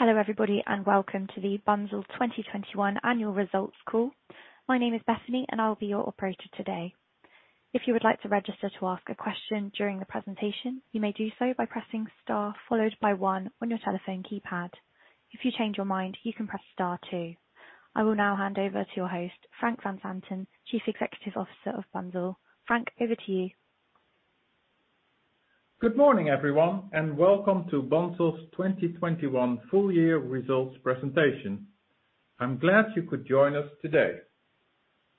Hello, everybody, and welcome to the Bunzl 2021 annual results call. My name is Bethany, and I'll be your operator today. If you would like to register to ask a question during the presentation, you may do so by pressing star followed by one on your telephone keypad. If you change your mind, you can press star two. I will now hand over to your host, Frank van Zanten, Chief Executive Officer of Bunzl. Frank, over to you. Good morning, everyone, and welcome to Bunzl's 2021 full-year results presentation. I'm glad you could join us today.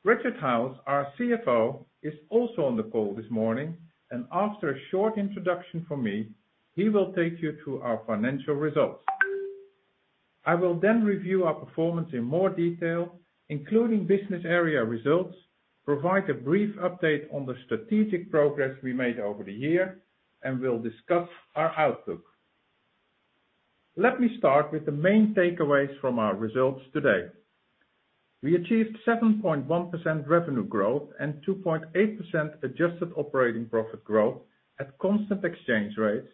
Richard Howes, our CFO, is also on the call this morning, and after a short introduction from me, he will take you through our financial results. I will then review our performance in more detail, including business area results, provide a brief update on the strategic progress we made over the year, and we'll discuss our outlook. Let me start with the main takeaways from our results today. We achieved 7.1% revenue growth and 2.8% adjusted operating profit growth at constant exchange rates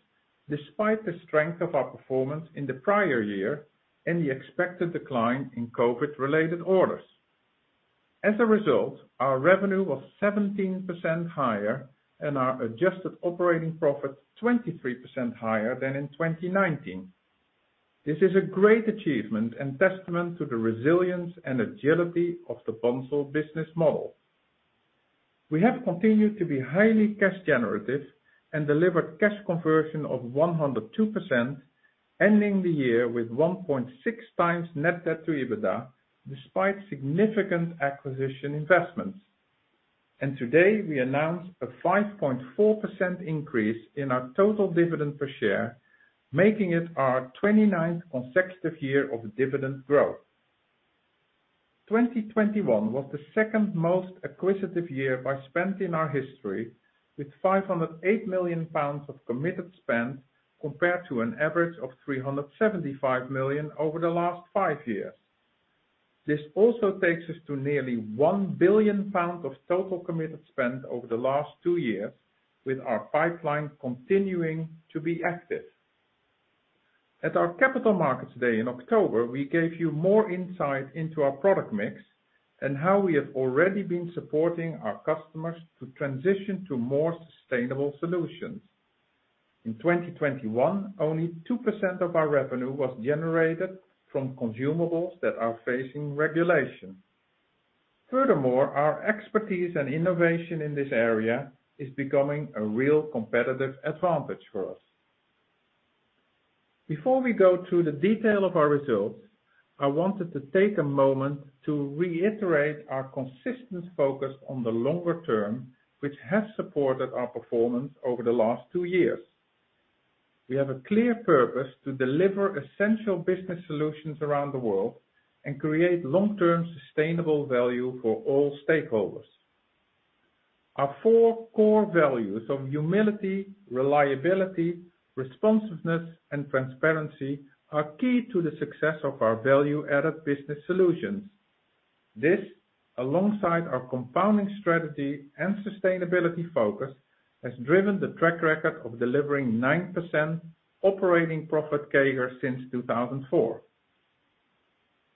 despite the strength of our performance in the prior year and the expected decline in COVID-related orders. As a result, our revenue was 17% higher and our adjusted operating profit 23% higher than in 2019. This is a great achievement and testament to the resilience and agility of the Bunzl business model. We have continued to be highly cash generative and delivered cash conversion of 102%, ending the year with 1.6x net debt to EBITDA despite significant acquisition investments. Today we announce a 5.4% increase in our total dividend per share, making it our 29th consecutive year of dividend growth. 2021 was the second most acquisitive year by spend in our history, with 508 million pounds of committed spend compared to an average of 375 million over the last five years. This also takes us to nearly 1 billion pounds of total committed spend over the last two years, with our pipeline continuing to be active. At our Capital Markets Day in October, we gave you more insight into our product mix and how we have already been supporting our customers to transition to more sustainable solutions. In 2021, only 2% of our revenue was generated from consumables that are facing regulation. Furthermore, our expertise and innovation in this area is becoming a real competitive advantage for us. Before we go through the detail of our results, I wanted to take a moment to reiterate our consistent focus on the longer term, which has supported our performance over the last two years. We have a clear purpose to deliver essential business solutions around the world and create long-term sustainable value for all stakeholders. Our four core values of humility, reliability, responsiveness, and transparency are key to the success of our value-added business solutions. This, alongside our compounding strategy and sustainability focus, has driven the track record of delivering 9% operating profit CAGR since 2004.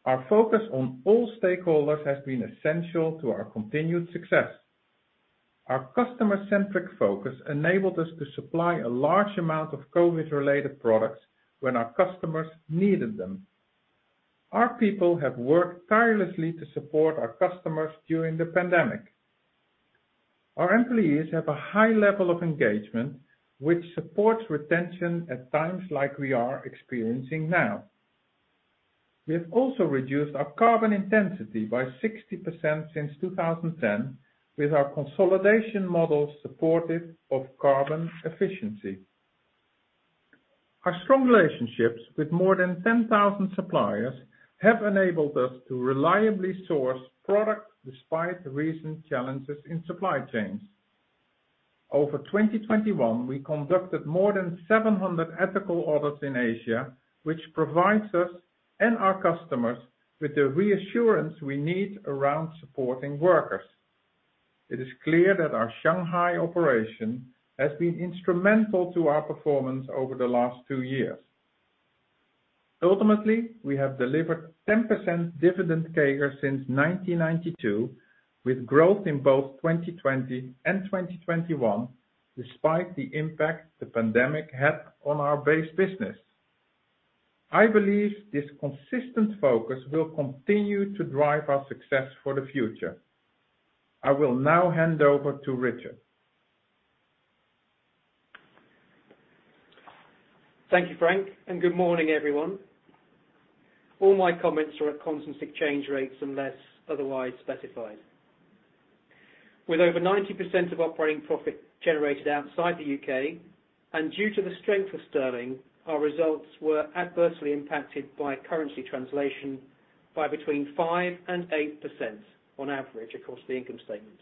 Our focus on all stakeholders has been essential to our continued success. Our customer-centric focus enabled us to supply a large amount of COVID-related products when our customers needed them. Our people have worked tirelessly to support our customers during the pandemic. Our employees have a high level of engagement, which supports retention at times like we are experiencing now. We have also reduced our carbon intensity by 60% since 2010, with our consolidation model supportive of carbon efficiency. Our strong relationships with more than 10,000 suppliers have enabled us to reliably source products despite the recent challenges in supply chains. Over 2021, we conducted more than 700 ethical audits in Asia, which provides us and our customers with the reassurance we need around supporting workers. It is clear that our Shanghai operation has been instrumental to our performance over the last two years. Ultimately, we have delivered 10% dividend CAGR since 1992, with growth in both 2020 and 2021, despite the impact the pandemic had on our base business. I believe this consistent focus will continue to drive our success for the future. I will now hand over to Richard Howes. Thank you, Frank, and good morning, everyone. All my comments are at constant exchange rates unless otherwise specified. With over 90% of operating profit generated outside The U.K. and due to the strength of sterling, our results were adversely impacted by currency translation by between 5% and 8% on average across the income statement.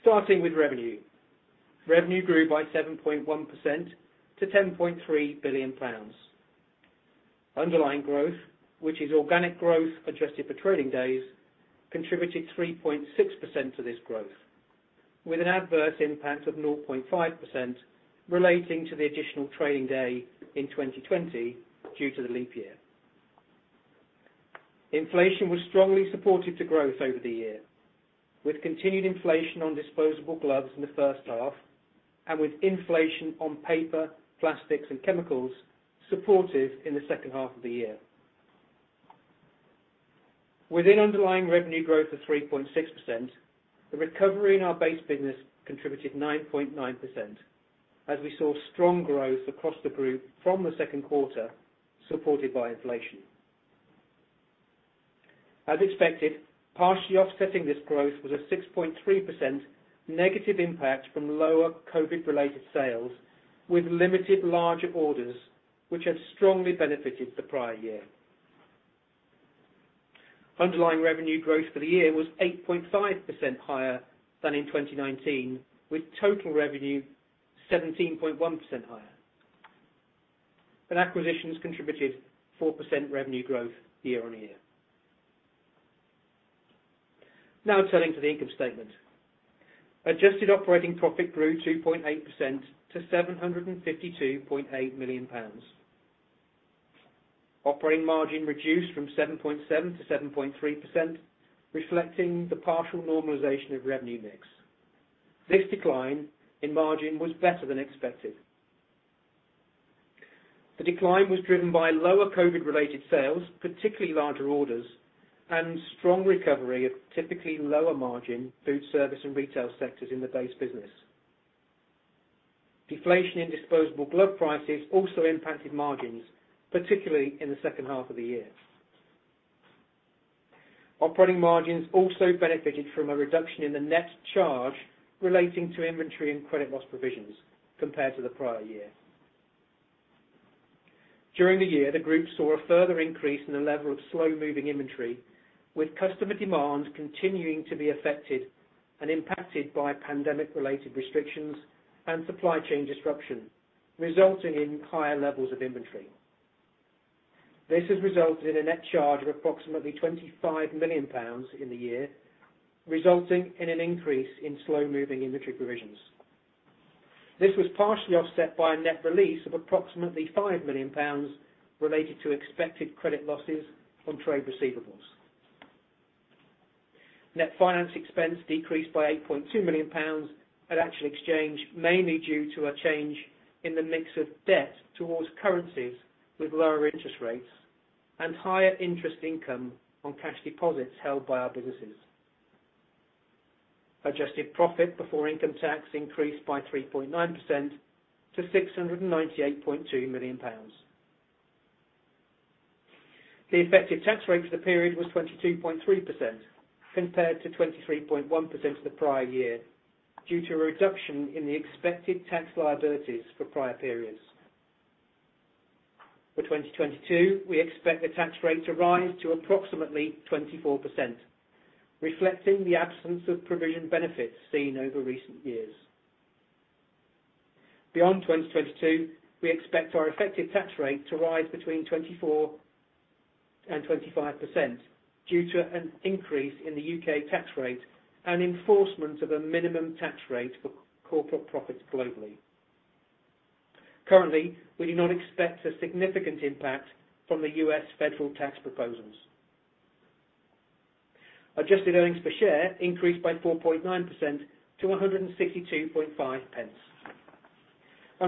Starting with revenue. Revenue grew by 7.1% to 10.3 billion pounds. Underlying growth, which is organic growth adjusted for trading days, contributed 3.6% to this growth, with an adverse impact of 0.5% relating to the additional trading day in 2020 due to the leap year. Inflation was strongly supportive to growth over the year, with continued inflation on disposable gloves in the first half and with inflation on paper, plastics and chemicals supportive in the second half of the year. Within underlying revenue growth of 3.6%, the recovery in our base business contributed 9.9% as we saw strong growth across the group from the second quarter, supported by inflation. As expected, partially offsetting this growth was a 6.3% negative impact from lower COVID-related sales, with limited larger orders which had strongly benefited the prior year. Underlying revenue growth for the year was 8.5% higher than in 2019, with total revenue 17.1% higher. Acquisitions contributed 4% revenue growth year-over-year. Now turning to the income statement. Adjusted operating profit grew 2.8% to 752.8 million pounds. Operating margin reduced from 7.7% to 7.3%, reflecting the partial normalization of revenue mix. This decline in margin was better than expected. The decline was driven by lower COVID-related sales, particularly larger orders, and strong recovery of typically lower margin food service and retail sectors in the base business. Deflation in disposable glove prices also impacted margins, particularly in the second half of the year. Operating margins also benefited from a reduction in the net charge relating to inventory and credit loss provisions compared to the prior year. During the year, the group saw a further increase in the level of slow-moving inventory, with customer demand continuing to be affected and impacted by pandemic-related restrictions and supply chain disruption, resulting in higher levels of inventory. This has resulted in a net charge of approximately 25 million pounds in the year, resulting in an increase in slow-moving inventory provisions. This was partially offset by a net release of approximately 5 million pounds related to expected credit losses on trade receivables. Net finance expense decreased by 8.2 million pounds at actual exchange, mainly due to a change in the mix of debt towards currencies with lower interest rates and higher interest income on cash deposits held by our businesses. Adjusted profit before income tax increased by 3.9% to GBP 698.2 million. The effective tax rate for the period was 22.3% compared to 23.1% for the prior year, due to a reduction in the expected tax liabilities for prior periods. For 2022, we expect the tax rate to rise to approximately 24%, reflecting the absence of provision benefits seen over recent years. Beyond 2022, we expect our effective tax rate to rise between 24% and 25% due to an increase in The U.K. tax rate and enforcement of a minimum tax rate for corporate profits globally. Currently, we do not expect a significant impact from The U.S. federal tax proposals. Adjusted earnings per share increased by 4.9% to 1.625.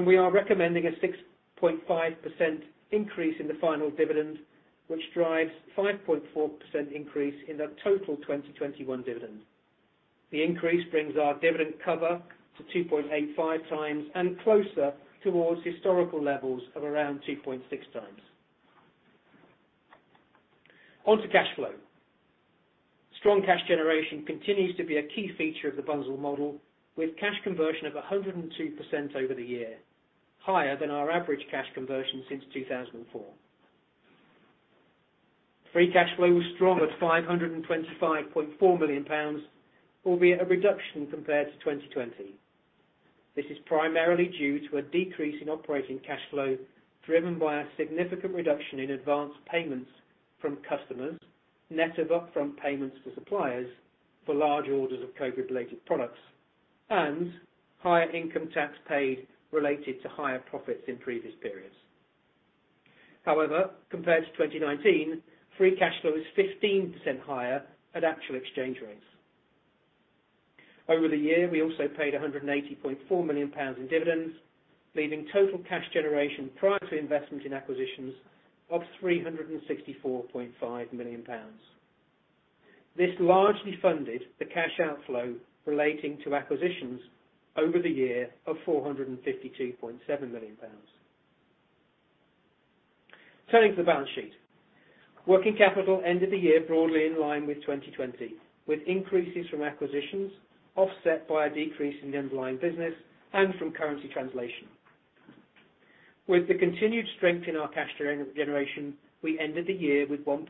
We are recommending a 6.5% increase in the final dividend, which drives 5.4% increase in the total 2021 dividend. The increase brings our dividend cover to 2.85 times and closer towards historical levels of around 2.6x. On to cash flow. Strong cash generation continues to be a key feature of the Bunzl model, with cash conversion of 102% over the year, higher than our average cash conversion since 2004. Free cash flow was strong at 525.4 million pounds, albeit a reduction compared to 2020. This is primarily due to a decrease in operating cash flow driven by a significant reduction in advance payments from customers, net of upfront payments to suppliers for large orders of COVID-related products and higher income tax paid related to higher profits in previous periods. However, compared to 2019, free cash flow is 15% higher at actual exchange rates. Over the year, we also paid 180.4 million pounds in dividends, leaving total cash generation prior to investment in acquisitions of 364.5 million pounds. This largely funded the cash outflow relating to acquisitions over the year of 452.7 million pounds. Turning to the balance sheet. Working capital ended the year broadly in line with 2020, with increases from acquisitions offset by a decrease in the underlying business and from currency translation. With the continued strength in our cash generation, we ended the year with 1.3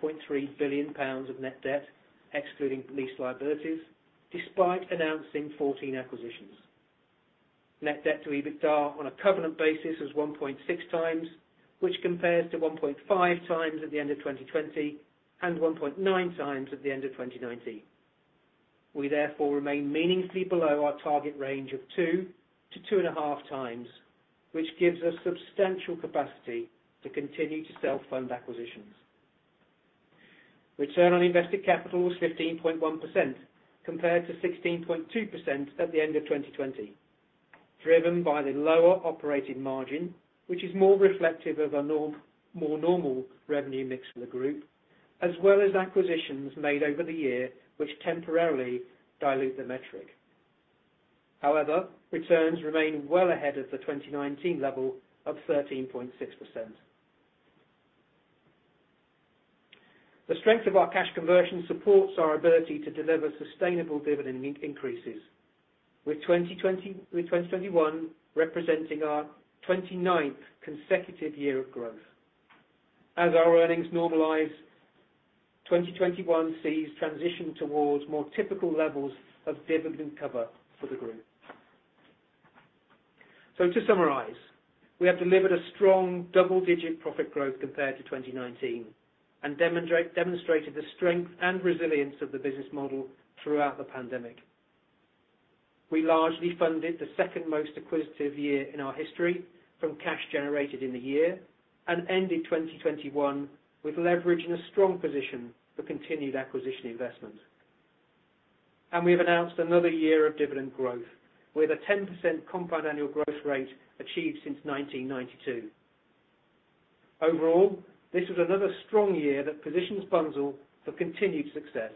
billion pounds of net debt, excluding lease liabilities, despite announcing 14 acquisitions. Net debt to EBITDA on a covenant basis is 1.6x, which compares to 1.5x at the end of 2020 and 1.9x at the end of 2019. We therefore remain meaningfully below our target range of 2x-2.5x, which gives us substantial capacity to continue to self-fund acquisitions. Return on invested capital was 15.1% compared to 16.2% at the end of 2020, driven by the lower operating margin, which is more reflective of a more normal revenue mix for the group, as well as acquisitions made over the year, which temporarily dilute the metric. However, returns remain well ahead of the 2019 level of 13.6%. The strength of our cash conversion supports our ability to deliver sustainable dividend increases, with 2021 representing our 29th consecutive year of growth. As our earnings normalize, 2021 sees transition towards more typical levels of dividend cover for the group. To summarize, we have delivered a strong double-digit profit growth compared to 2019 and demonstrated the strength and resilience of the business model throughout the pandemic. We largely funded the second most acquisitive year in our history from cash generated in the year and ended 2021 with leverage in a strong position for continued acquisition investment. We've announced another year of dividend growth with a 10% compound annual growth rate achieved since 1992. Overall, this was another strong year that positions Bunzl for continued success.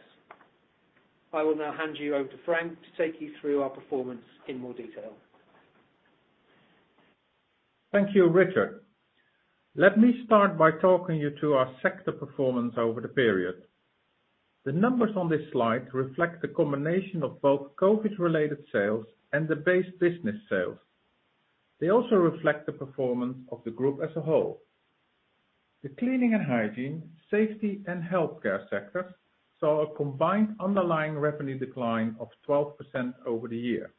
I will now hand you over to Frank to take you through our performance in more detail. Thank you, Richard. Let me start by talking you through our sector performance over the period. The numbers on this slide reflect the combination of both COVID-related sales and the base business sales. They also reflect the performance of the group as a whole. The cleaning and hygiene, safety, and healthcare sectors saw a combined underlying revenue decline of 12% over the year.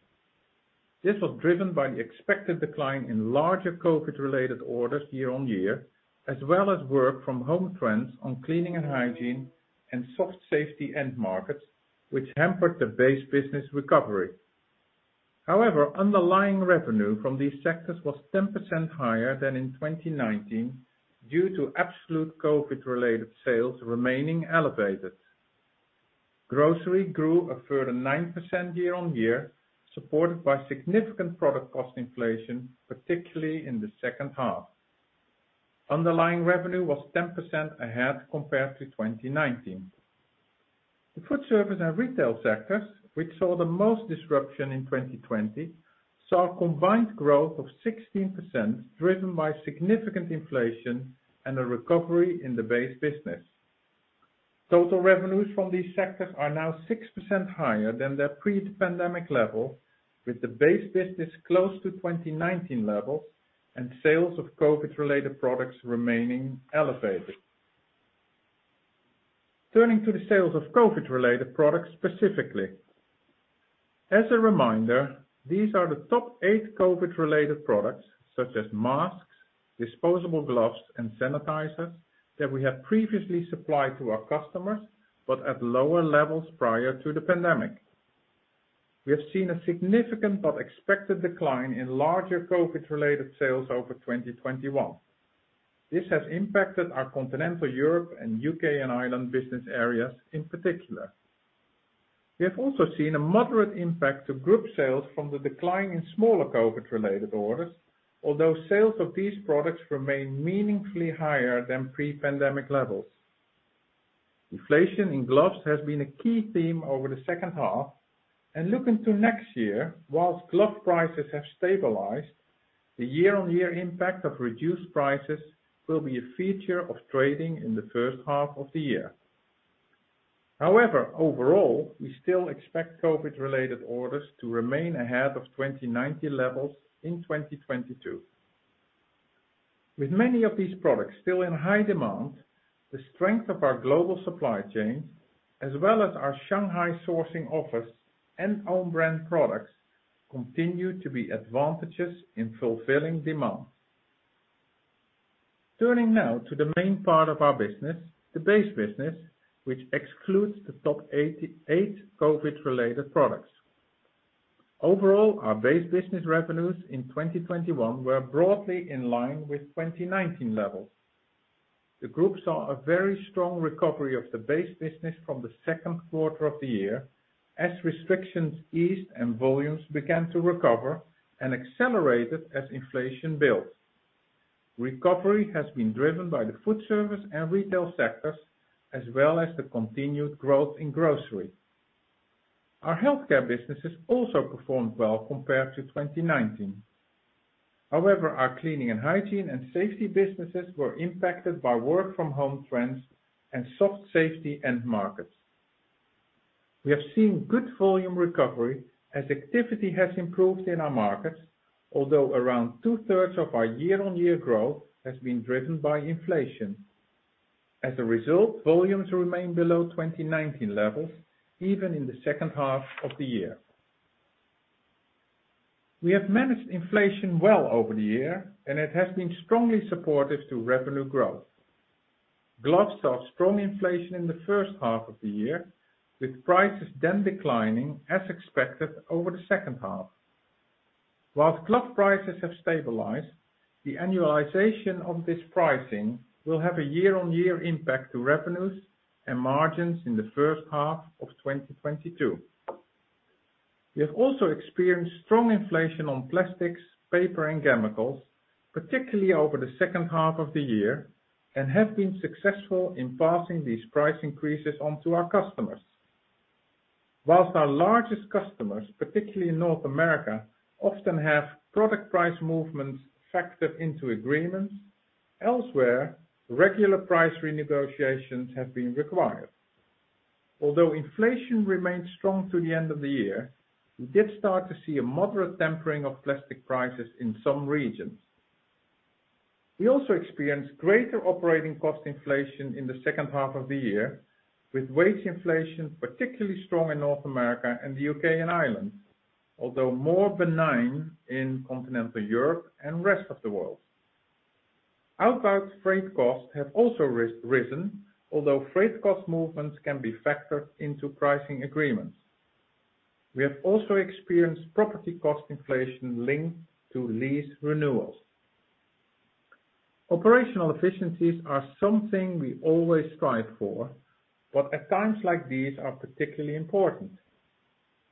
This was driven by the expected decline in larger COVID-related orders year on year, as well as work from home trends on cleaning and hygiene and soft safety end markets, which hampered the base business recovery. However, underlying revenue from these sectors was 10% higher than in 2019 due to absolute COVID-related sales remaining elevated. Grocery grew a further 9% year on year, supported by significant product cost inflation, particularly in the second half. Underlying revenue was 10% ahead compared to 2019. The food service and retail sectors, which saw the most disruption in 2020, saw a combined growth of 16% driven by significant inflation and a recovery in the base business. Total revenues from these sectors are now 6% higher than their pre-pandemic level with the base business close to 2019 levels and sales of COVID-related products remaining elevated. Turning to the sales of COVID-related products specifically. As a reminder, these are the top eight COVID-related products, such as masks, disposable gloves, and sanitizers that we have previously supplied to our customers, but at lower levels prior to the pandemic. We have seen a significant but expected decline in larger COVID-related sales over 2021. This has impacted our continental Europe and UK and Ireland business areas in particular. We have also seen a moderate impact to group sales from the decline in smaller COVID-related orders, although sales of these products remain meaningfully higher than pre-pandemic levels. Inflation in gloves has been a key theme over the second half, and looking to next year, while glove prices have stabilized, the year-on-year impact of reduced prices will be a feature of trading in the first half of the year. However, overall, we still expect COVID-related orders to remain ahead of 2019 levels in 2022. With many of these products still in high demand, the strength of our global supply chain, as well as our Shanghai sourcing office and own brand products, continue to be advantageous in fulfilling demand. Turning now to the main part of our business, the base business, which excludes the top 88 COVID-related products. Overall, our base business revenues in 2021 were broadly in line with 2019 levels. The group saw a very strong recovery of the base business from the second quarter of the year as restrictions eased and volumes began to recover and accelerated as inflation built. Recovery has been driven by the food service and retail sectors, as well as the continued growth in grocery. Our healthcare businesses also performed well compared to 2019. However, our cleaning and hygiene and safety businesses were impacted by work from home trends and soft safety end markets. We have seen good volume recovery as activity has improved in our markets, although around 2/3 of our year-on-year growth has been driven by inflation. As a result, volumes remain below 2019 levels, even in the second half of the year. We have managed inflation well over the year, and it has been strongly supportive to revenue growth. Gloves saw strong inflation in the first half of the year, with prices then declining as expected over the second half. While glove prices have stabilized, the annualization of this pricing will have a year-on-year impact to revenues and margins in the first half of 2022. We have also experienced strong inflation on plastics, paper and chemicals, particularly over the second half of the year, and have been successful in passing these price increases on to our customers. While our largest customers, particularly in North America, often have product price movements factored into agreements, elsewhere, regular price renegotiations have been required. Although inflation remains strong to the end of the year, we did start to see a moderate tempering of plastic prices in some regions. We also experienced greater operating cost inflation in the second half of the year, with wage inflation particularly strong in North America and The U.K. And Ireland, although more benign in continental Europe and rest of the world. Outbound freight costs have also risen, although freight cost movements can be factored into pricing agreements. We have also experienced property cost inflation linked to lease renewals. Operational efficiencies are something we always strive for, but at times like these are particularly important.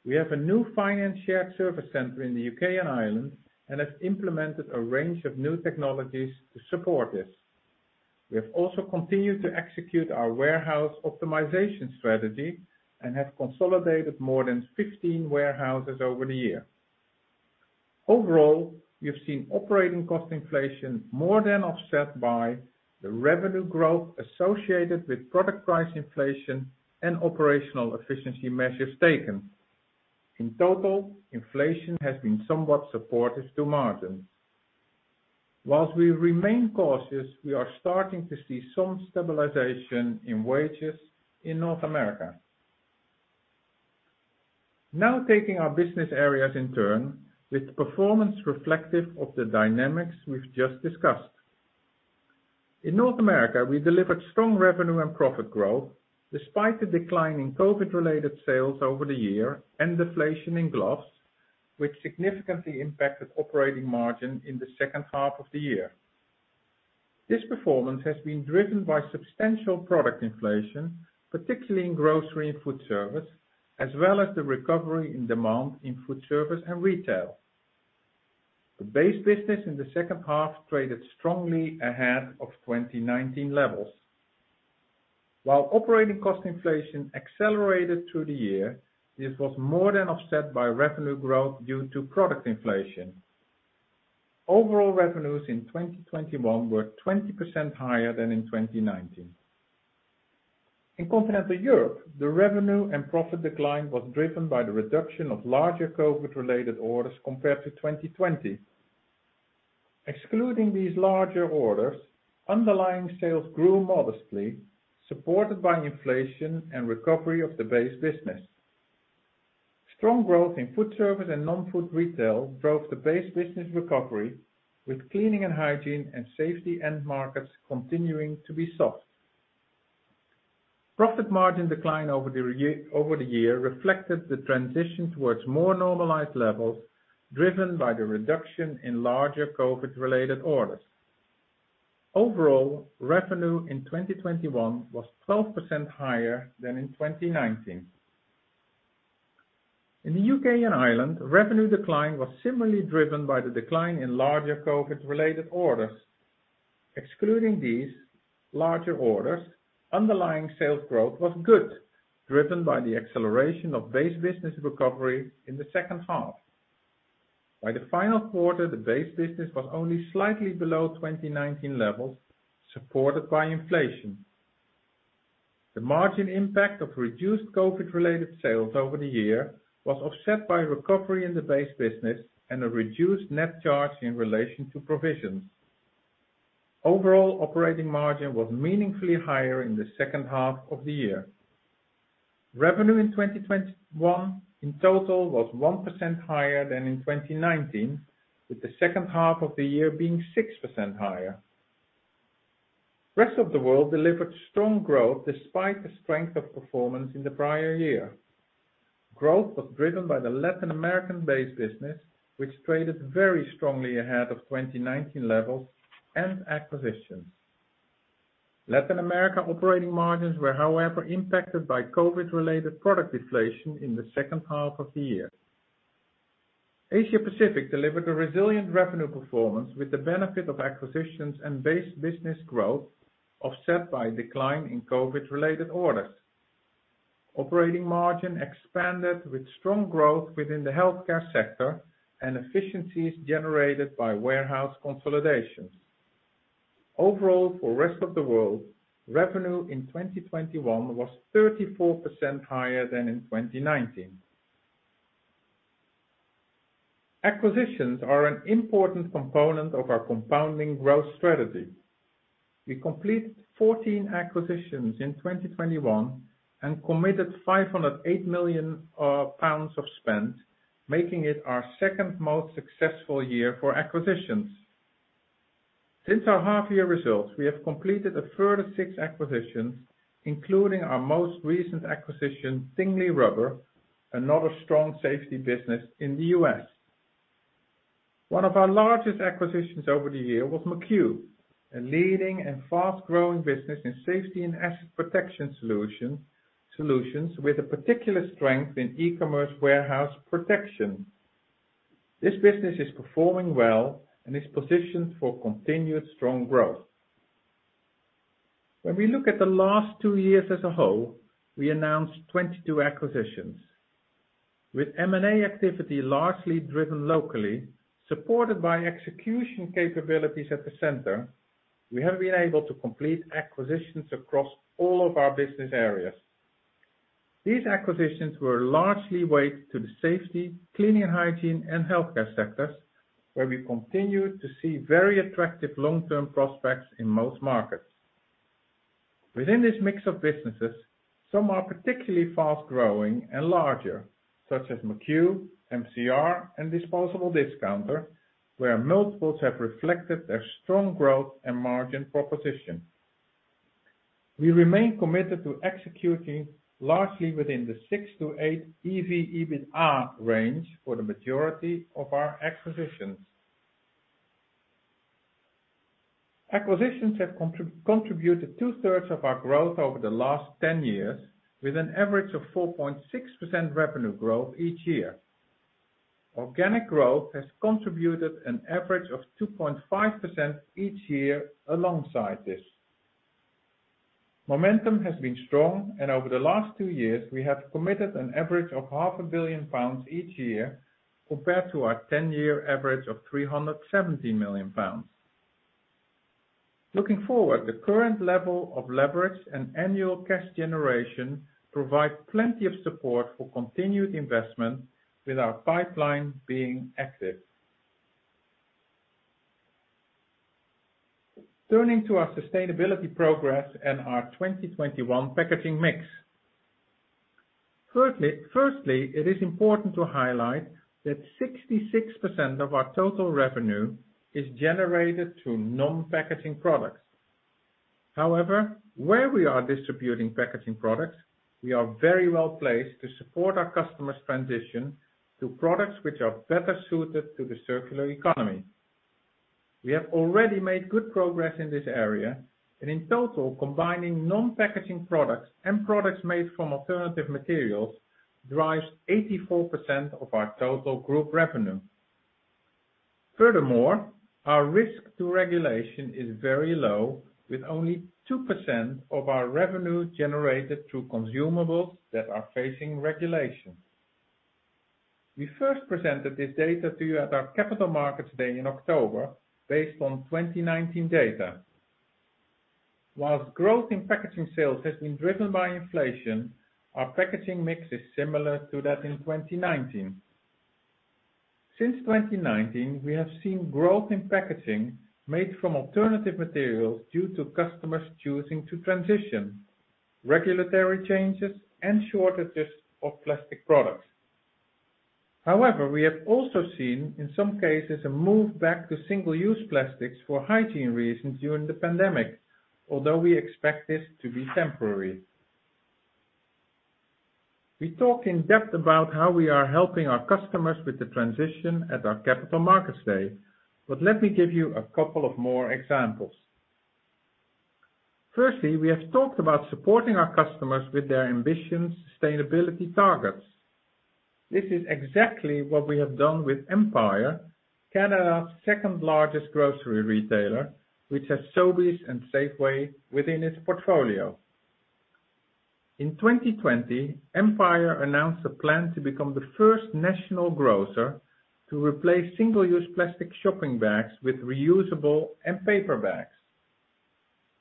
We have a new finance shared service center in The U.K. and Ireland, and have implemented a range of new technologies to support this. We have also continued to execute our warehouse optimization strategy and have consolidated more than 15 warehouses over the year. Overall, we have seen operating cost inflation more than offset by the revenue growth associated with product price inflation and operational efficiency measures taken. In total, inflation has been somewhat supportive to margins. While we remain cautious, we are starting to see some stabilization in wages in North America. Now taking our business areas in turn with performance reflective of the dynamics we've just discussed. In North America, we delivered strong revenue and profit growth despite the decline in COVID-related sales over the year and deflation in gloves, which significantly impacted operating margin in the second half of the year. This performance has been driven by substantial product inflation, particularly in grocery and food service, as well as the recovery in demand in food service and retail. The base business in the second half traded strongly ahead of 2019 levels. While operating cost inflation accelerated through the year, it was more than offset by revenue growth due to product inflation. Overall revenues in 2021 were 20% higher than in 2019. In Continental Europe, the revenue and profit decline was driven by the reduction of larger COVID-related orders compared to 2020. Excluding these larger orders, underlying sales grew modestly, supported by inflation and recovery of the base business. Strong growth in food service and non-food retail drove the base business recovery, with cleaning and hygiene and safety end markets continuing to be soft. Profit margin decline over the year reflected the transition towards more normalized levels driven by the reduction in larger COVID-related orders. Overall, revenue in 2021 was 12% higher than in 2019. In The U.K. and Ireland, revenue decline was similarly driven by the decline in larger COVID-related orders. Excluding these larger orders, underlying sales growth was good, driven by the acceleration of base business recovery in the second half. By the final quarter, the base business was only slightly below 2019 levels, supported by inflation. The margin impact of reduced COVID-related sales over the year was offset by recovery in the base business and a reduced net charge in relation to provisions. Overall, operating margin was meaningfully higher in the second half of the year. Revenue in 2021 in total was 1% higher than in 2019, with the second half of the year being 6% higher. Rest of the world delivered strong growth despite the strength of performance in the prior year. Growth was driven by the Latin American-based business, which traded very strongly ahead of 2019 levels and acquisitions. Latin America operating margins were, however, impacted by COVID-related product deflation in the second half of the year. Asia-Pacific delivered a resilient revenue performance with the benefit of acquisitions and base business growth offset by a decline in COVID-related orders. Operating margin expanded with strong growth within the healthcare sector and efficiencies generated by warehouse consolidations. Overall, for Rest of the World, revenue in 2021 was 34% higher than in 2019. Acquisitions are an important component of our compounding growth strategy. We completed 14 acquisitions in 2021 and committed 508 million pounds of spend, making it our second most successful year for acquisitions. Since our half year results, we have completed a further six acquisitions, including our most recent acquisition, Tingley Rubber, another strong safety business in The U.S. One of our largest acquisitions over the year was McCue, a leading and fast-growing business in safety and asset protection solutions, with a particular strength in e-commerce warehouse protection. This business is performing well and is positioned for continued strong growth. When we look at the last two years as a whole, we announced 22 acquisitions. With M&A activity largely driven locally, supported by execution capabilities at the center, we have been able to complete acquisitions across all of our business areas. These acquisitions were largely weighted to the safety, cleaning and hygiene, and healthcare sectors, where we continued to see very attractive long-term prospects in most markets. Within this mix of businesses, some are particularly fast-growing and larger, such as McCue, MCR Safety, and Disposable Discounter, where multiples have reflected their strong growth and margin proposition. We remain committed to executing largely within the six to eight EV/EBITDA range for the majority of our acquisitions. Acquisitions have contributed 2/3 of our growth over the last 10 years with an average of 4.6% revenue growth each year. Organic growth has contributed an average of 2.5% each year alongside this. Momentum has been strong, and over the last two years, we have committed an average of 500,000 million pounds each year compared to our 10-year average of 370 million pounds. Looking forward, the current level of leverage and annual cash generation provide plenty of support for continued investment with our pipeline being active. Turning to our sustainability progress and our 2021 packaging mix. Firstly, it is important to highlight that 66% of our total revenue is generated through non-packaging products. However, where we are distributing packaging products, we are very well placed to support our customers transition to products which are better suited to the circular economy. We have already made good progress in this area, and in total, combining non-packaging products and products made from alternative materials drives 84% of our total group revenue. Furthermore, our risk to regulation is very low, with only 2% of our revenue generated through consumables that are facing regulation. We first presented this data to you at our Capital Markets Day in October based on 2019 data. While growth in packaging sales has been driven by inflation, our packaging mix is similar to that in 2019. Since 2019, we have seen growth in packaging made from alternative materials due to customers choosing to transition, regulatory changes, and shortages of plastic products. However, we have also seen, in some cases, a move back to single-use plastics for hygiene reasons during the pandemic, although we expect this to be temporary. We talked in depth about how we are helping our customers with the transition at our Capital Markets Day, but let me give you a couple of more examples. Firstly, we have talked about supporting our customers with their ambitious sustainability targets. This is exactly what we have done with Empire, Canada's second largest grocery retailer, which has Sobeys and Safeway within its portfolio. In 2020, Empire announced a plan to become the first national grocer to replace single-use plastic shopping bags with reusable and paper bags.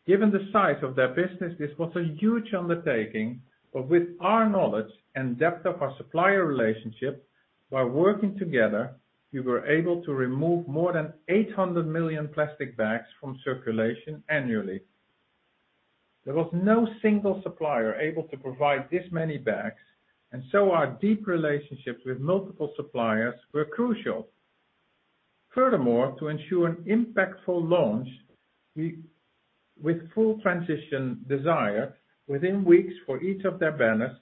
Given the size of their business, this was a huge undertaking, but with our knowledge and depth of our supplier relationship, while working together, we were able to remove more than 800 million plastic bags from circulation annually. There was no single supplier able to provide this many bags, and so our deep relationships with multiple suppliers were crucial. Furthermore, to ensure an impactful launch, we, with full transition desired within weeks for each of their banners,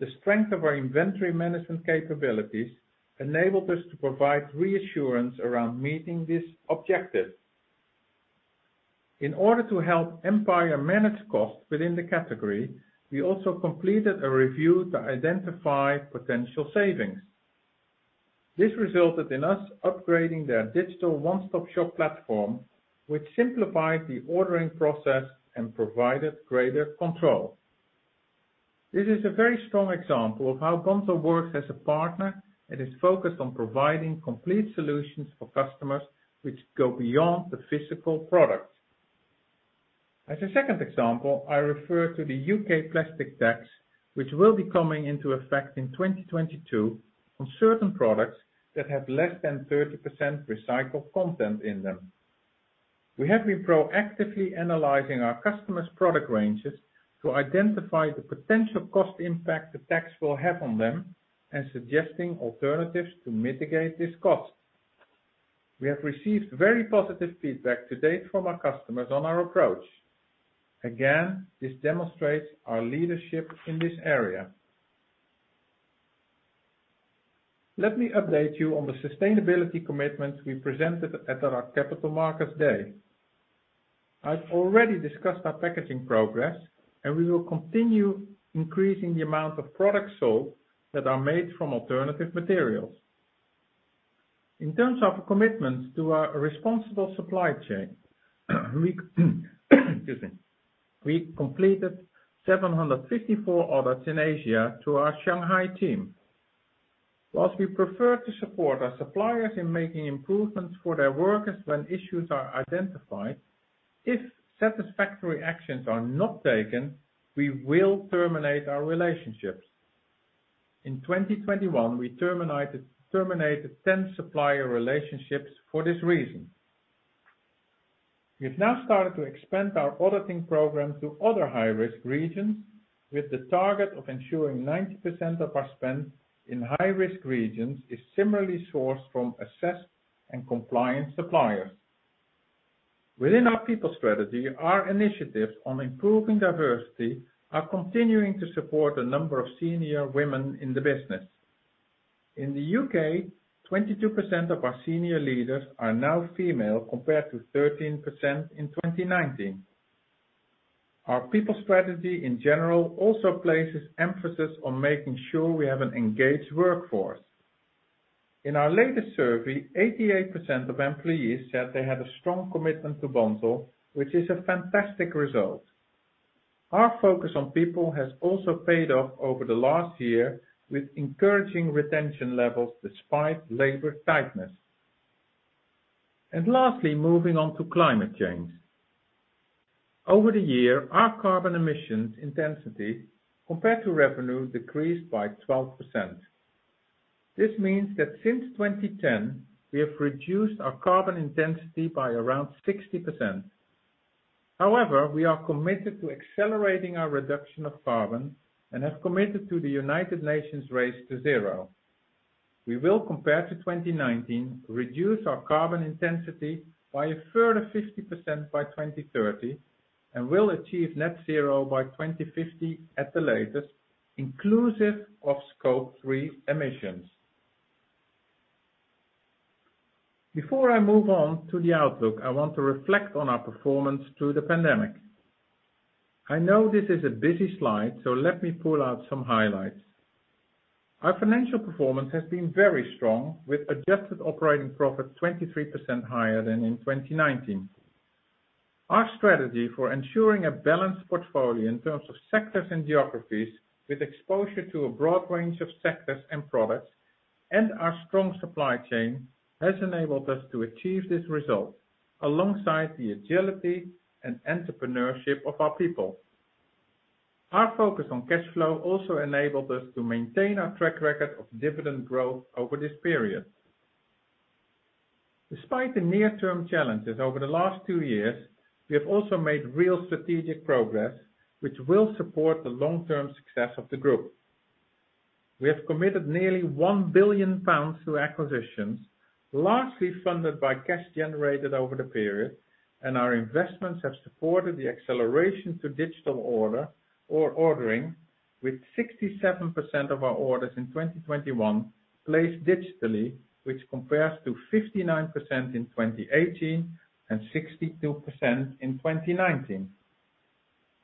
the strength of our inventory management capabilities enabled us to provide reassurance around meeting these objectives. In order to help Empire manage costs within the category, we also completed a review to identify potential savings. This resulted in us upgrading their digital one-stop-shop platform, which simplified the ordering process and provided greater control. This is a very strong example of how Bunzl works as a partner and is focused on providing complete solutions for customers which go beyond the physical products. As a second example, I refer to The U.K. plastic tax, which will be coming into effect in 2022 on certain products that have less than 30% recycled content in them. We have been proactively analyzing our customers' product ranges to identify the potential cost impact the tax will have on them and suggesting alternatives to mitigate this cost. We have received very positive feedback to date from our customers on our approach. Again, this demonstrates our leadership in this area. Let me update you on the sustainability commitments we presented at our Capital Markets Day. I've already discussed our packaging progress, and we will continue increasing the amount of products sold that are made from alternative materials. In terms of commitments to our responsible supply chain, we completed 754 audits in Asia through our Shanghai team. While we prefer to support our suppliers in making improvements for their workers when issues are identified, if satisfactory actions are not taken, we will terminate our relationships. In 2021, we terminated ten supplier relationships for this reason. We have now started to expand our auditing program to other high-risk regions with the target of ensuring 90% of our spend in high-risk regions is similarly sourced from assessed and compliant suppliers. Within our people strategy, our initiatives on improving diversity are continuing to support a number of senior women in the business. In The U.K., 22% of our senior leaders are now female compared to 13% in 2019. Our people strategy in general also places emphasis on making sure we have an engaged workforce. In our latest survey, 88% of employees said they had a strong commitment to Bunzl, which is a fantastic result. Our focus on people has also paid off over the last year with encouraging retention levels despite labor tightness. Lastly, moving on to climate change. Over the year, our carbon emissions intensity compared to revenue decreased by 12%. This means that since 2010, we have reduced our carbon intensity by around 60%. However, we are committed to accelerating our reduction of carbon and have committed to the United Nations Race to Zero. We will, compared to 2019, reduce our carbon intensity by a further 50% by 2030 and will achieve net zero by 2050 at the latest, inclusive of Scope 3 emissions. Before I move on to the outlook, I want to reflect on our performance through the pandemic. I know this is a busy slide, so let me pull out some highlights. Our financial performance has been very strong, with adjusted operating profit 23% higher than in 2019. Our strategy for ensuring a balanced portfolio in terms of sectors and geographies with exposure to a broad range of sectors and products and our strong supply chain has enabled us to achieve this result alongside the agility and entrepreneurship of our people. Our focus on cash flow also enabled us to maintain our track record of dividend growth over this period. Despite the near-term challenges over the last two years, we have also made real strategic progress, which will support the long-term success of the group. We have committed nearly 1 billion pounds to acquisitions, largely funded by cash generated over the period, and our investments have supported the acceleration to digital order or ordering, with 67% of our orders in 2021 placed digitally, which compares to 59% in 2018 and 62% in 2019.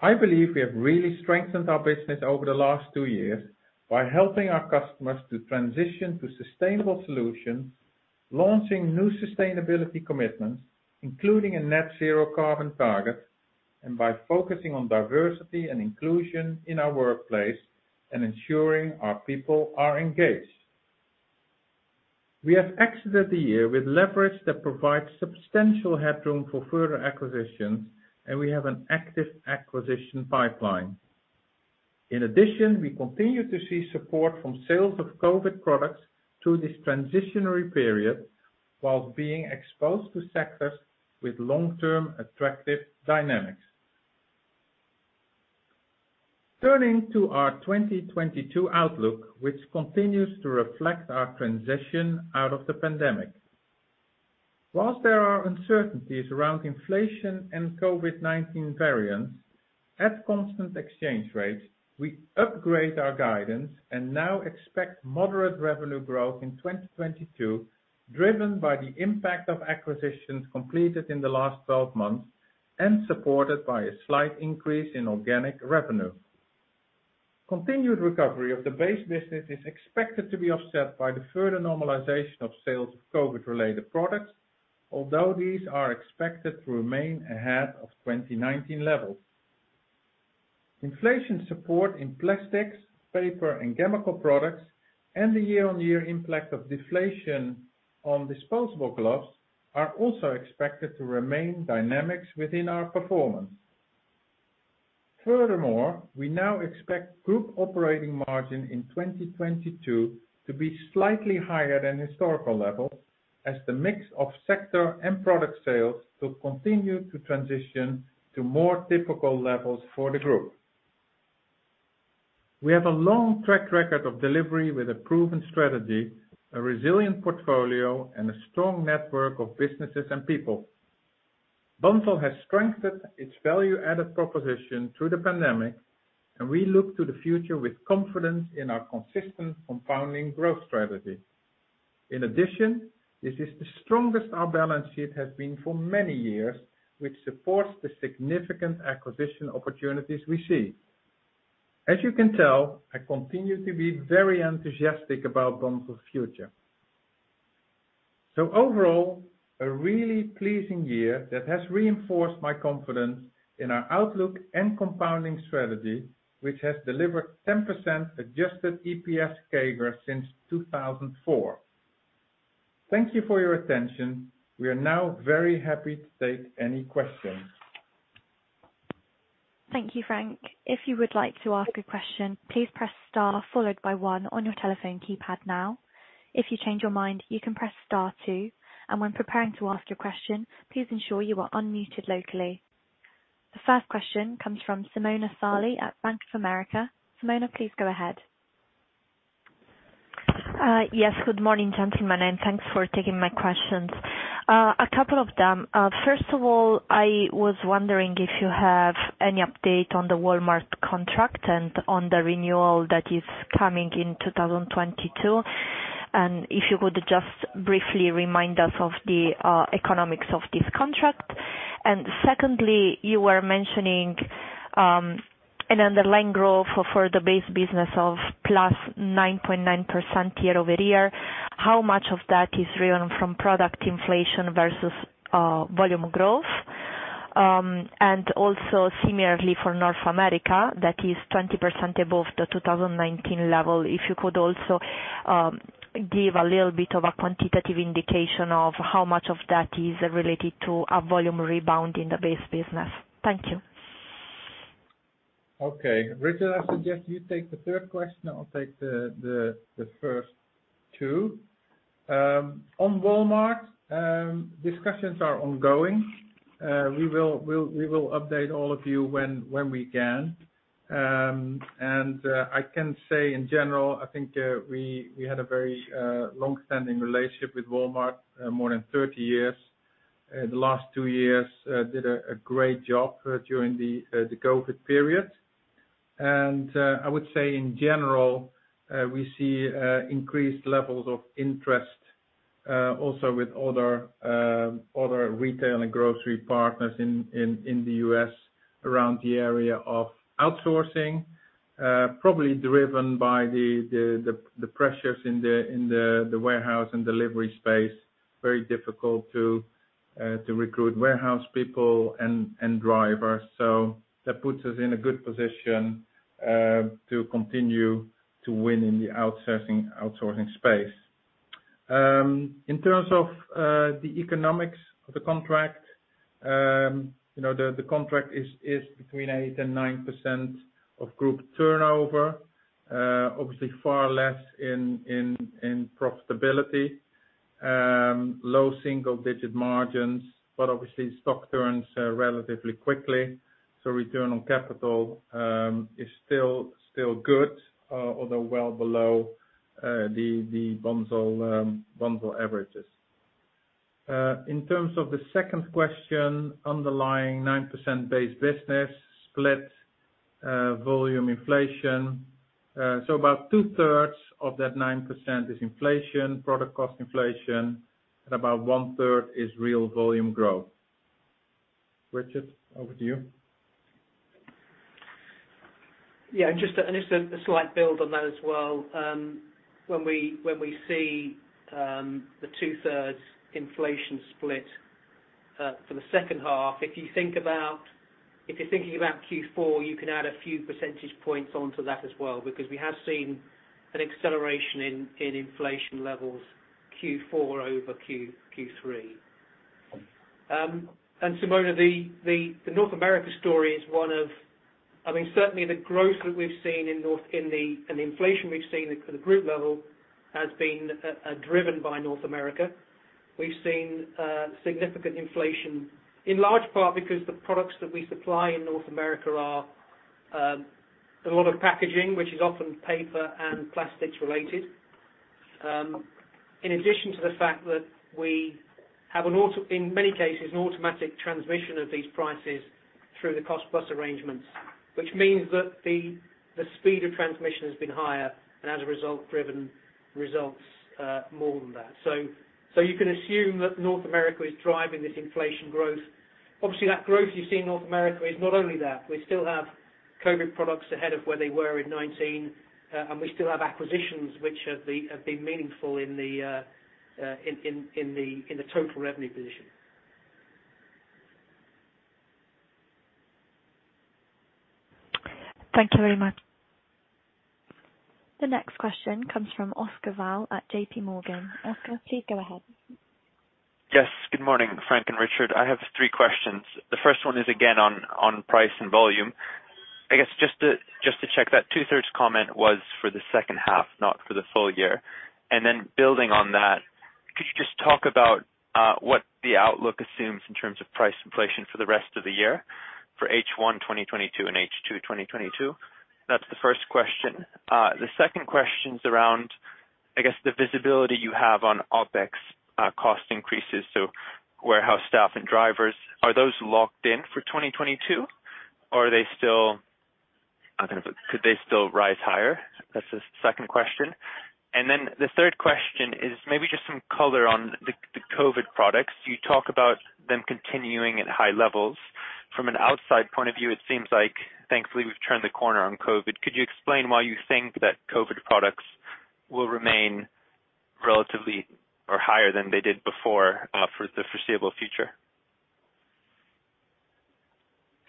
I believe we have really strengthened our business over the last two years by helping our customers to transition to sustainable solutions, launching new sustainability commitments, including a net zero carbon target, and by focusing on diversity and inclusion in our workplace and ensuring our people are engaged. We have exited the year with leverage that provides substantial headroom for further acquisitions, and we have an active acquisition pipeline. In addition, we continue to see support from sales of COVID products through this transitionary period while being exposed to sectors with long-term attractive dynamics. Turning to our 2022 outlook, which continues to reflect our transition out of the pandemic. While there are uncertainties around inflation and COVID-19 variants, at constant exchange rates, we upgrade our guidance and now expect moderate revenue growth in 2022, driven by the impact of acquisitions completed in the last 12 months and supported by a slight increase in organic revenue. Continued recovery of the base business is expected to be offset by the further normalization of sales of COVID-related products, although these are expected to remain ahead of 2019 levels. Inflation support in plastics, paper, and chemical products, and the year-over-year impact of deflation on disposable gloves are also expected to remain dynamics within our performance. Furthermore, we now expect group operating margin in 2022 to be slightly higher than historical levels as the mix of sector and product sales to continue to transition to more typical levels for the group. We have a long track record of delivery with a proven strategy, a resilient portfolio, and a strong network of businesses and people. Bunzl has strengthened its value-added proposition through the pandemic, and we look to the future with confidence in our consistent compounding growth strategy. In addition, this is the strongest our balance sheet has been for many years, which supports the significant acquisition opportunities we see. As you can tell, I continue to be very enthusiastic about Bunzl's future. Overall, a really pleasing year that has reinforced my confidence in our outlook and compounding strategy, which has delivered 10% adjusted EPS CAGR since 2004. Thank you for your attention. We are now very happy to take any questions. Thank you, Frank. If you would like to ask a question, please press star followed by one on your telephone keypad now. If you change your mind, you can press star two. When preparing to ask your question, please ensure you are unmuted locally. The first question comes from Simona Sarli from Bank of America. Simona, please go ahead. Yes. Good morning, gentlemen, and thanks for taking my questions. A couple of them. First of all, I was wondering if you have any update on the Walmart contract and on the renewal that is coming in 2022, and if you could just briefly remind us of the economics of this contract. Secondly, you were mentioning an underlying growth for the base business of +9.9% year-over-year. How much of that is driven from product inflation versus volume growth? Also similarly for North America, that is 20% above the 2019 level. If you could also give a little bit of a quantitative indication of how much of that is related to a volume rebound in the base business. Thank you. Okay. Richard, I suggest you take the third question. I'll take the first two. On Walmart, discussions are ongoing. We will update all of you when we can. I can say in general, I think we had a very long-standing relationship with Walmart, more than 30 years. The last two years did a great job during the COVID period. I would say in general we see increased levels of interest also with other retail and grocery partners in The U.S. around the area of outsourcing, probably driven by the pressures in the warehouse and delivery space, very difficult to recruit warehouse people and drivers. That puts us in a good position to continue to win in the outsourcing space. In terms of the economics of the contract, you know, the contract is between 8%-9% of group turnover, obviously far less in profitability, low single-digit margins, but obviously stock turns relatively quickly. Return on capital is still good, although well below the Bunzl averages. In terms of the second question, underlying 9% base business split, volume inflation. About 2/3 of that 9% is inflation, product cost inflation, and about one-third is real volume growth. Richard, over to you. Just a slight build on that as well. When we see the2/3 inflation split for the second half, if you're thinking about Q4, you can add a few percentage points onto that as well because we have seen an acceleration in inflation levels Q4 over Q3. Simona, the North America story is one of, I mean, certainly the growth that we've seen in North and the inflation we've seen at the group level has been driven by North America. We've seen significant inflation, in large part because the products that we supply in North America are a lot of packaging, which is often paper and plastics related. In addition to the fact that we have in many cases, an automatic transmission of these prices through the cost-plus arrangements, which means that the speed of transmission has been higher, and as a result, driven results more than that. You can assume that North America is driving this inflation growth. Obviously, that growth you see in North America is not only that. We still have COVID products ahead of where they were in 2019, and we still have acquisitions which have been meaningful in the total revenue position. Thank you very much. The next question comes from Oscar Val at JPMorgan. Oscar, please go ahead. Yes. Good morning, Frank and Richard. I have three questions. The first one is again on price and volume. I guess just to check that 2/3 comment was for the second half, not for the full-year. Building on that, could you just talk about what the outlook assumes in terms of price inflation for the rest of the year for H1 2022 and H2 2022? That's the first question. The second question is around, I guess, the visibility you have on OpEx cost increases. So warehouse staff and drivers, are those locked in for 2022 or are they still? Could they still rise higher? That's the second question. The third question is maybe just some color on the COVID products. You talk about them continuing at high levels. From an outside point of view, it seems like thankfully we've turned the corner on COVID. Could you explain why you think that COVID products will remain relatively or higher than they did before, for the foreseeable future?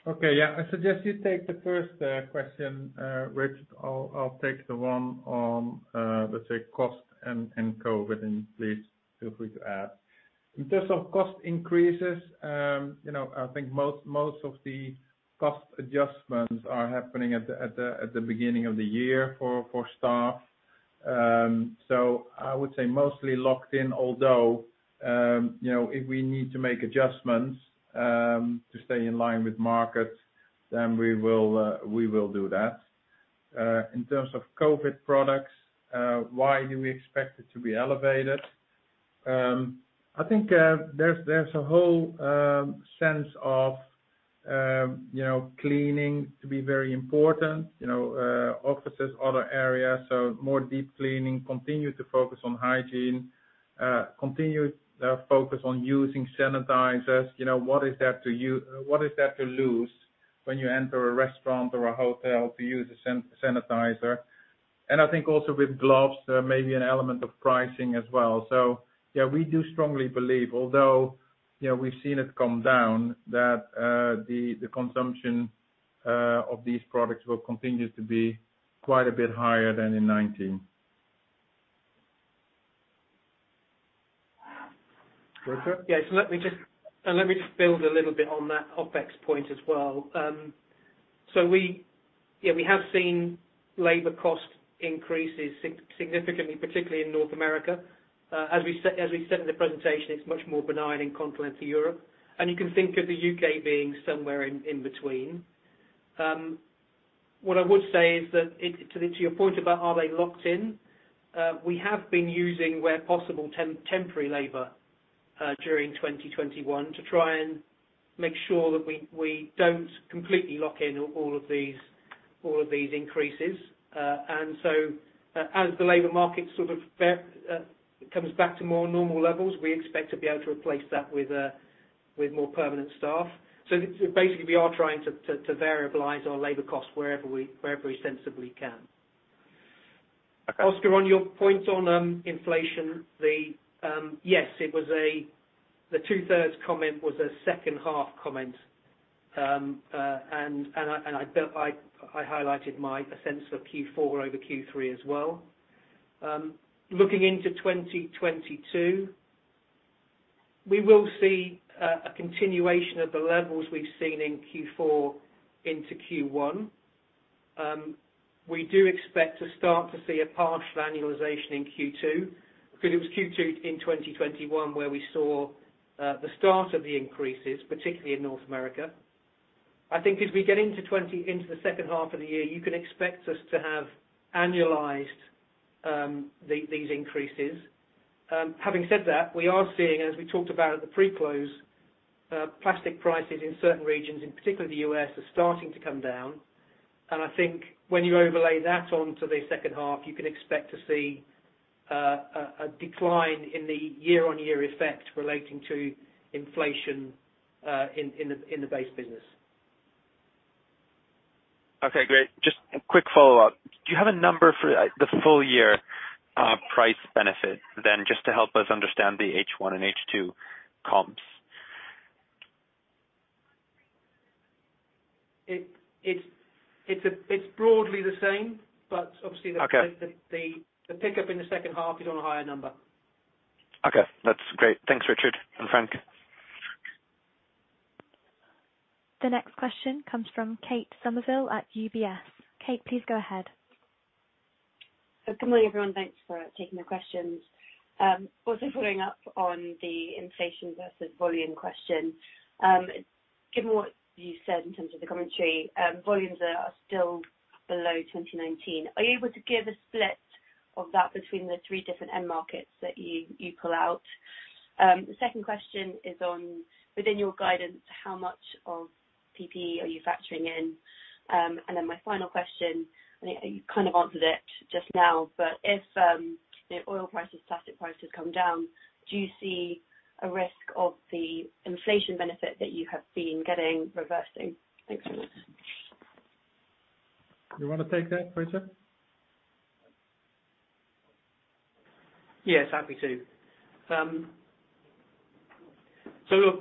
Okay. Yeah. I suggest you take the first question, Richard. I'll take the one on, let's say cost and COVID, and please feel free to add. In terms of cost increases, you know, I think most of the cost adjustments are happening at the beginning of the year for staff. I would say mostly locked in, although, you know, if we need to make adjustments to stay in line with markets, then we will do that. In terms of COVID products, why do we expect it to be elevated? I think there's a whole sense of, you know, cleaning to be very important, you know, offices, other areas, so more deep cleaning, continue to focus on hygiene, continue to focus on using sanitizers. You know, what is there to lose when you enter a restaurant or a hotel to use a sanitizer? I think also with gloves, there may be an element of pricing as well. Yeah, we do strongly believe, although, you know, we've seen it come down, that the consumption of these products will continue to be quite a bit higher than in 2019. Richard? Yeah. Let me just build a little bit on that OpEx point as well. We have seen labor cost increases significantly, particularly in North America. As we said in the presentation, it's much more benign in Continental Europe, and you can think of The U.K. being somewhere in between. What I would say is that to your point about are they locked in, we have been using, where possible, temporary labor during 2021 to try and make sure that we don't completely lock in all of these increases. As the labor market sort of comes back to more normal levels, we expect to be able to replace that with more permanent staff. Basically, we are trying to variablize our labor costs wherever we sensibly can. Okay. Oscar, on your point on inflation, yes, it was the 2/3 comment was a second half comment. I highlighted my sense for Q4 over Q3 as well. Looking into 2022, we will see a continuation of the levels we've seen in Q4 into Q1. We do expect to start to see a partial annualization in Q2 because it was Q2 in 2021 where we saw the start of the increases, particularly in North America. I think as we get into the second half of the year, you can expect us to have annualized these increases. Having said that, we are seeing, as we talked about at the pre-close, plastic prices in certain regions, in particular The U.S., are starting to come down. I think when you overlay that onto the second half, you can expect to see a decline in the year-on-year effect relating to inflation in the base business. Okay. Great. Just a quick follow-up. Do you have a number for the full-year, price benefit then just to help us understand the H1 and H2 comps? It's broadly the same, but obviously. Okay. The pickup in the second half is on a higher number. Okay. That's great. Thanks, Richard and Frank. The next question comes from Kate Somerville at UBS. Kate, please go ahead. Good morning, everyone. Thanks for taking the questions. Also following up on the inflation versus volume question. Given what you said in terms of the commentary, volumes are still below 2019. Are you able to give a split of that between the three different end markets that you pull out? The second question is on within your guidance, how much of PPE are you factoring in? And then my final question, you kind of answered it just now, but if, you know, oil prices, plastic prices come down, do you see a risk of the inflation benefit that you have been getting reversing? Thanks so much. You want to take that, Richard? Yes, happy to. Look,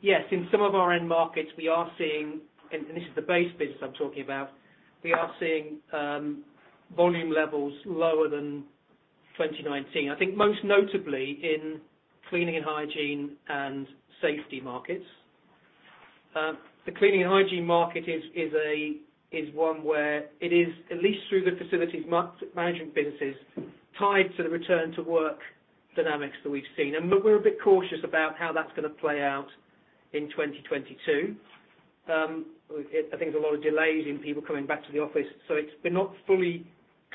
yes, in some of our end markets, and this is the base business I'm talking about, we are seeing volume levels lower than 2019. I think most notably in cleaning and hygiene and safety markets. The cleaning and hygiene market is one where it is at least through the facility management businesses tied to the return to work dynamics that we've seen. We're a bit cautious about how that's gonna play out in 2022. I think there's a lot of delays in people coming back to the office, so it's been not fully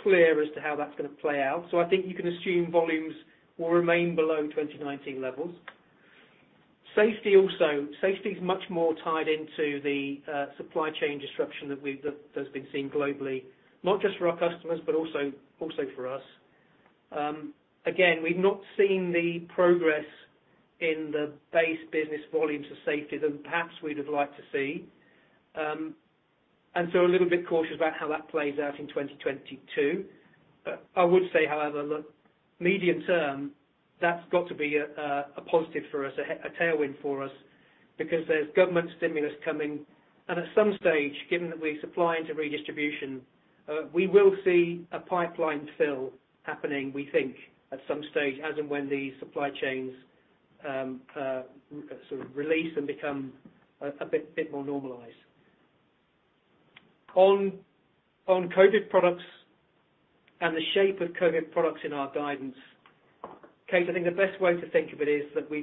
clear as to how that's gonna play out. I think you can assume volumes will remain below 2019 levels. Safety also. Safety is much more tied into the supply chain disruption that's been seen globally, not just for our customers, but also for us. Again, we've not seen the progress in the base business volumes of safety that perhaps we'd have liked to see. A little bit cautious about how that plays out in 2022. I would say, however, look, medium term, that's got to be a positive for us, a tailwind for us because there's government stimulus coming. At some stage, given that we supply into redistribution, we will see a pipeline fill happening, we think, at some stage as and when the supply chains sort of release and become a bit more normalized. On COVID products and the shape of COVID products in our guidance. Kate, I think the best way to think of it is that we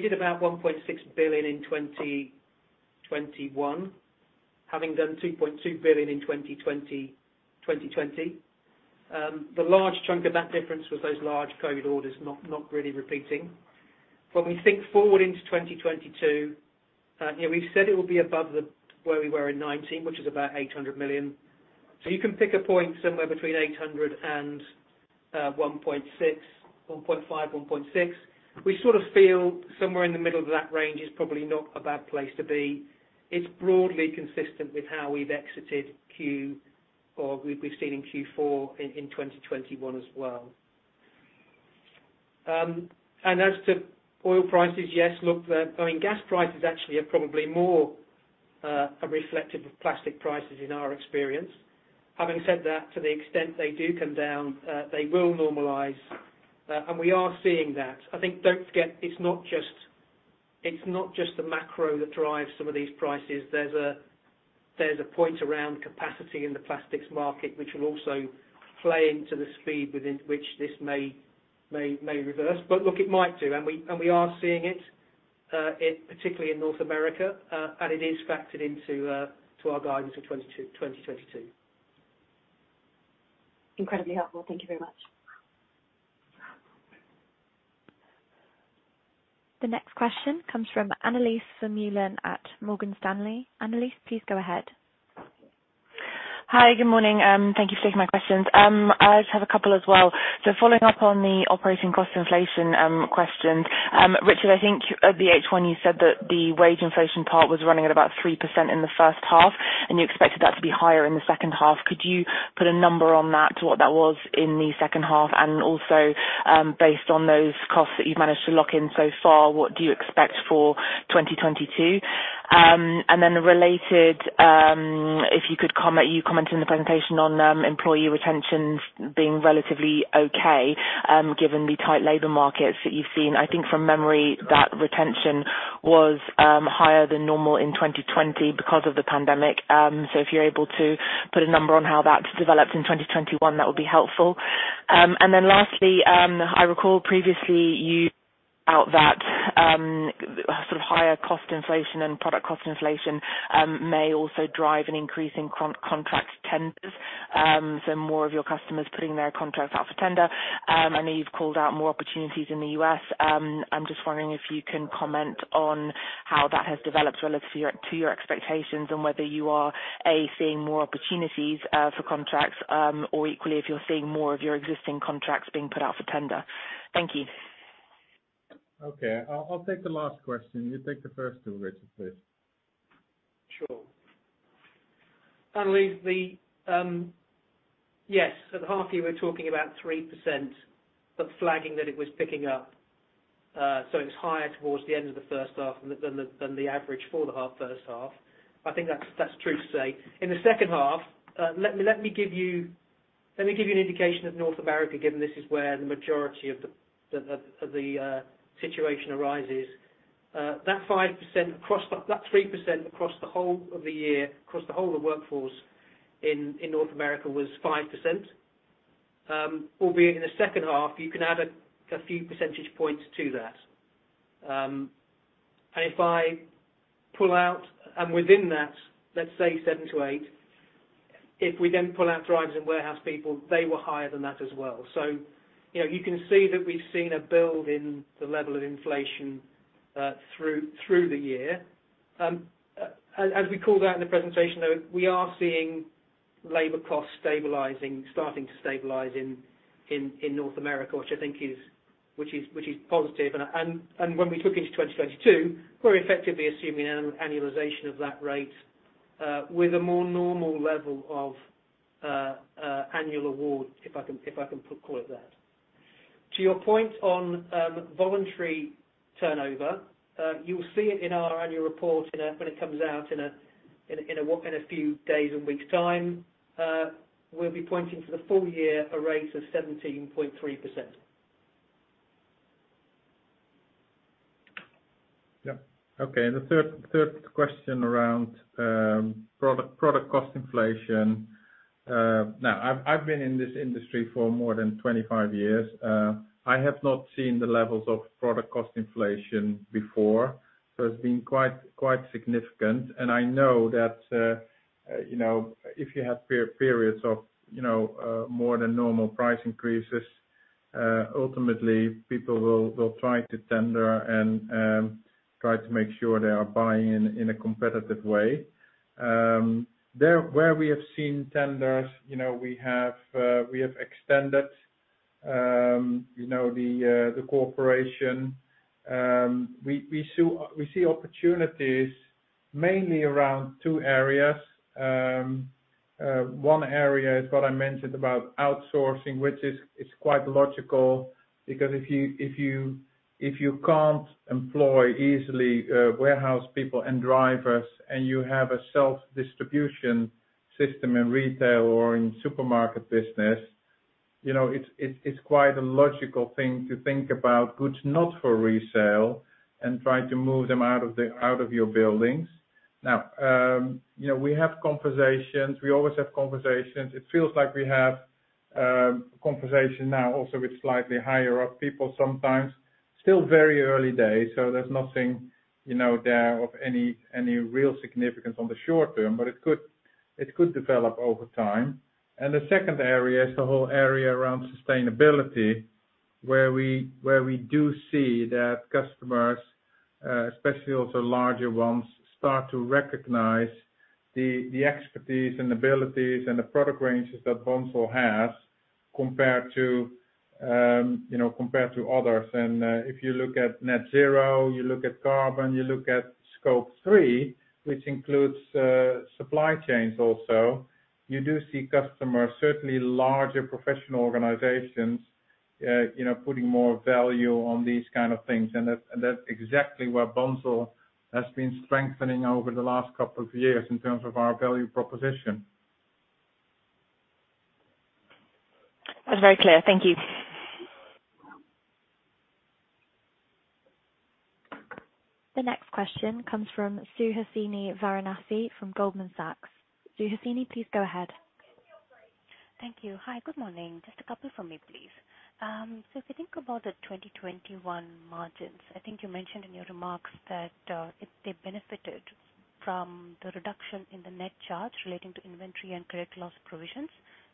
did about 1.6 billion in 2021, having done 2.2 billion in 2020. The large chunk of that difference was those large COVID orders not really repeating. When we think forward into 2022, we've said it will be above where we were in 2019, which is about 800 million. So you can pick a point somewhere between 800 and 1.6, 1.5, 1.6. We sort of feel somewhere in the middle of that range is probably not a bad place to be. It's broadly consistent with how we've exited Q4, we've seen in Q4 in 2021 as well. As to oil prices, yes, look, I mean, gas prices actually are probably more are reflective of plastic prices in our experience. Having said that, to the extent they do come down, they will normalize, and we are seeing that. I think, don't forget, it's not just the macro that drives some of these prices. There's a point around capacity in the plastics market, which will also play into the speed within which this may reverse. Look, it might do, and we are seeing it, in particular in North America, and it is factored into our guidance for 2022. Incredibly helpful. Thank you very much. The next question comes from Annelies Vermeulen at Morgan Stanley. Annelies, please go ahead. Hi, good morning. Thank you for taking my questions. I just have a couple as well. Following up on the operating cost inflation questions, Richard, I think at the H1 you said that the wage inflation part was running at about 3% in the first half, and you expected that to be higher in the second half. Could you put a number on that to what that was in the second half? Also, based on those costs that you've managed to lock in so far, what do you expect for 2022? Related, if you could comment, you commented in the presentation on employee retention being relatively okay, given the tight labor markets that you've seen. I think from memory that retention was higher than normal in 2020 because of the pandemic. If you're able to put a number on how that's developed in 2021, that would be helpful. Lastly, I recall previously you outlined that, sort of higher cost inflation and product cost inflation, may also drive an increase in contract tenders. More of your customers putting their contracts out for tender. I know you've called out more opportunities in The U.S. I'm just wondering if you can comment on how that has developed relative to your expectations and whether you are seeing more opportunities for contracts, or equally, if you're seeing more of your existing contracts being put for tender. Thank you. Okay. I'll take the last question. You take the first two, Richard, please. Sure. Annelies, yes, at the half year, we're talking about 3%, but flagging that it was picking up, so it's higher towards the end of the first half than the average for the first half. I think that's true to say. In the second half, let me give you an indication of North America, given this is where the majority of the situation arises. That 3% across the whole of the year, across the whole of the workforce in North America was 5%. Albeit in the second half, you can add a few percentage points to that. If I pull out and within that, let's say seven to eight, if we then pull out drivers and warehouse people, they were higher than that as well. So you know, you can see that we've seen a build in the level of inflation through the year. As we called out in the presentation, though, we are seeing labor costs stabilizing, starting to stabilize in North America, which I think is positive. When we look into 2022, we're effectively assuming an annualization of that rate with a more normal level of annual award, if I can call it that. To your point on voluntary turnover, you will see it in our annual report when it comes out in a few days and weeks time. We'll be pointing to the full-year a rate of 17.3%. Yeah. Okay. The third question around product cost inflation. Now, I've been in this industry for more than 25 years. I have not seen the levels of product cost inflation before. It's been quite significant. I know that, you know, if you have periods of, you know, more than normal price increases, ultimately people will try to tender and try to make sure they are buying in a competitive way. There where we have seen tenders, you know, we have extended, you know, the cooperation. We see opportunities mainly around two areas. One area is what I mentioned about outsourcing, which is quite logical because if you can't employ easily warehouse people and drivers and you have a self-distribution system in retail or in supermarket business, you know, it's quite a logical thing to think about goods not for resale and try to move them out of your buildings. Now, you know, we have conversations. We always have conversations. It feels like we have conversation now also with slightly higher up people sometimes. Still very early days, so there's nothing, you know, there of any real significance in the short term, but it could develop over time. The second area is the whole area around sustainability, where we do see that customers, especially also larger ones, start to recognize the expertise and abilities and the product ranges that Bunzl has compared to, you know, compared to others. If you look at net zero, you look at carbon, you look at Scope 3, which includes supply chains also, you do see customers, certainly larger professional organizations, you know, putting more value on these kind of things. That's exactly where Bunzl has been strengthening over the last couple of years in terms of our value proposition. That's very clear. Thank you. The next question comes from Suhasini Varanasi from Goldman Sachs. Suhasini, please go ahead. Thank you. Hi, good morning. Just a couple from me, please. If you think about the 2021 margins, I think you mentioned in your remarks that they benefited from the reduction in the net charge relating to inventory and credit loss provisions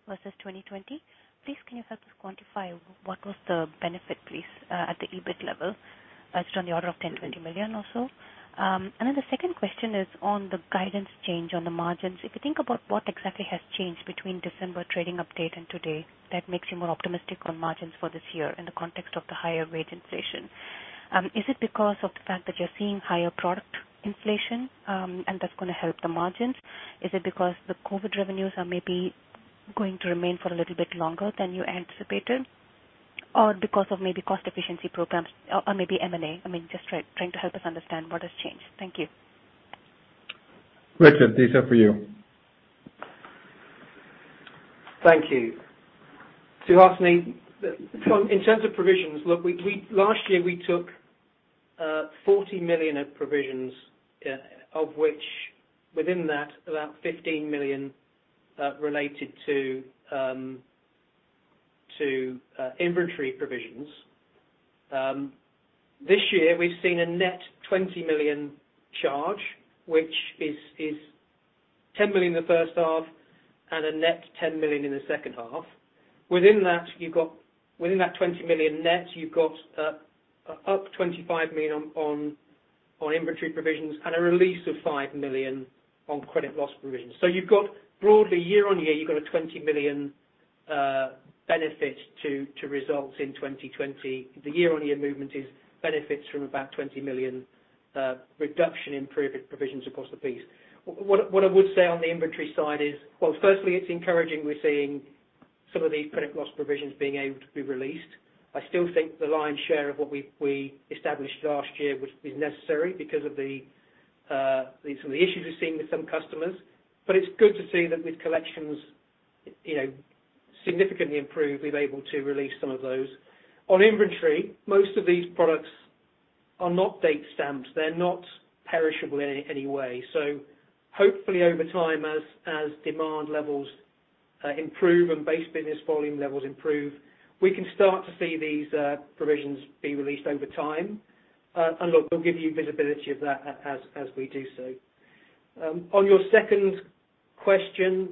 versus 2020. Please can you help us quantify what was the benefit, please, at the EBIT level? Was it on the order of 10 million, 20 million or so? The second question is on the guidance change on the margins. If you think about what exactly has changed between December trading update and today that makes you more optimistic on margins for this year in the context of the higher wage inflation? Is it because of the fact that you're seeing higher product inflation, and that's gonna help the margins? Is it because the COVID revenues are maybe going to remain for a little bit longer than you anticipated or because of maybe cost efficiency programs or maybe M&A? I mean, just trying to help us understand what has changed. Thank you. Richard, these are for you. Thank you. To ask me in terms of provisions, look, we last year we took 40 million of provisions, of which within that, about 15 million related to inventory provisions. This year we've seen a net 20 million charge, which is 10 million in the first half and a net 10 million in the second half. Within that, within that 20 million net, you've got up 25 million on inventory provisions and a release of 5 million on credit loss provisions. You've got broadly year-over-year, you've got a 20 million benefit to results in 2020. The year-over-year movement is benefits from about 20 million reduction in provisions across the piece. What I would say on the inventory side is, well, firstly, it's encouraging we're seeing some of these credit loss provisions being able to be released. I still think the lion's share of what we established last year was, is necessary because of some of the issues we've seen with some customers. It's good to see that with collections, you know, significantly improved, we've able to release some of those. On inventory, most of these products are not date stamped. They're not perishable in any way. Hopefully over time, as demand levels improve and base business volume levels improve, we can start to see these provisions be released over time. Look, we'll give you visibility of that as we do so. On your second question,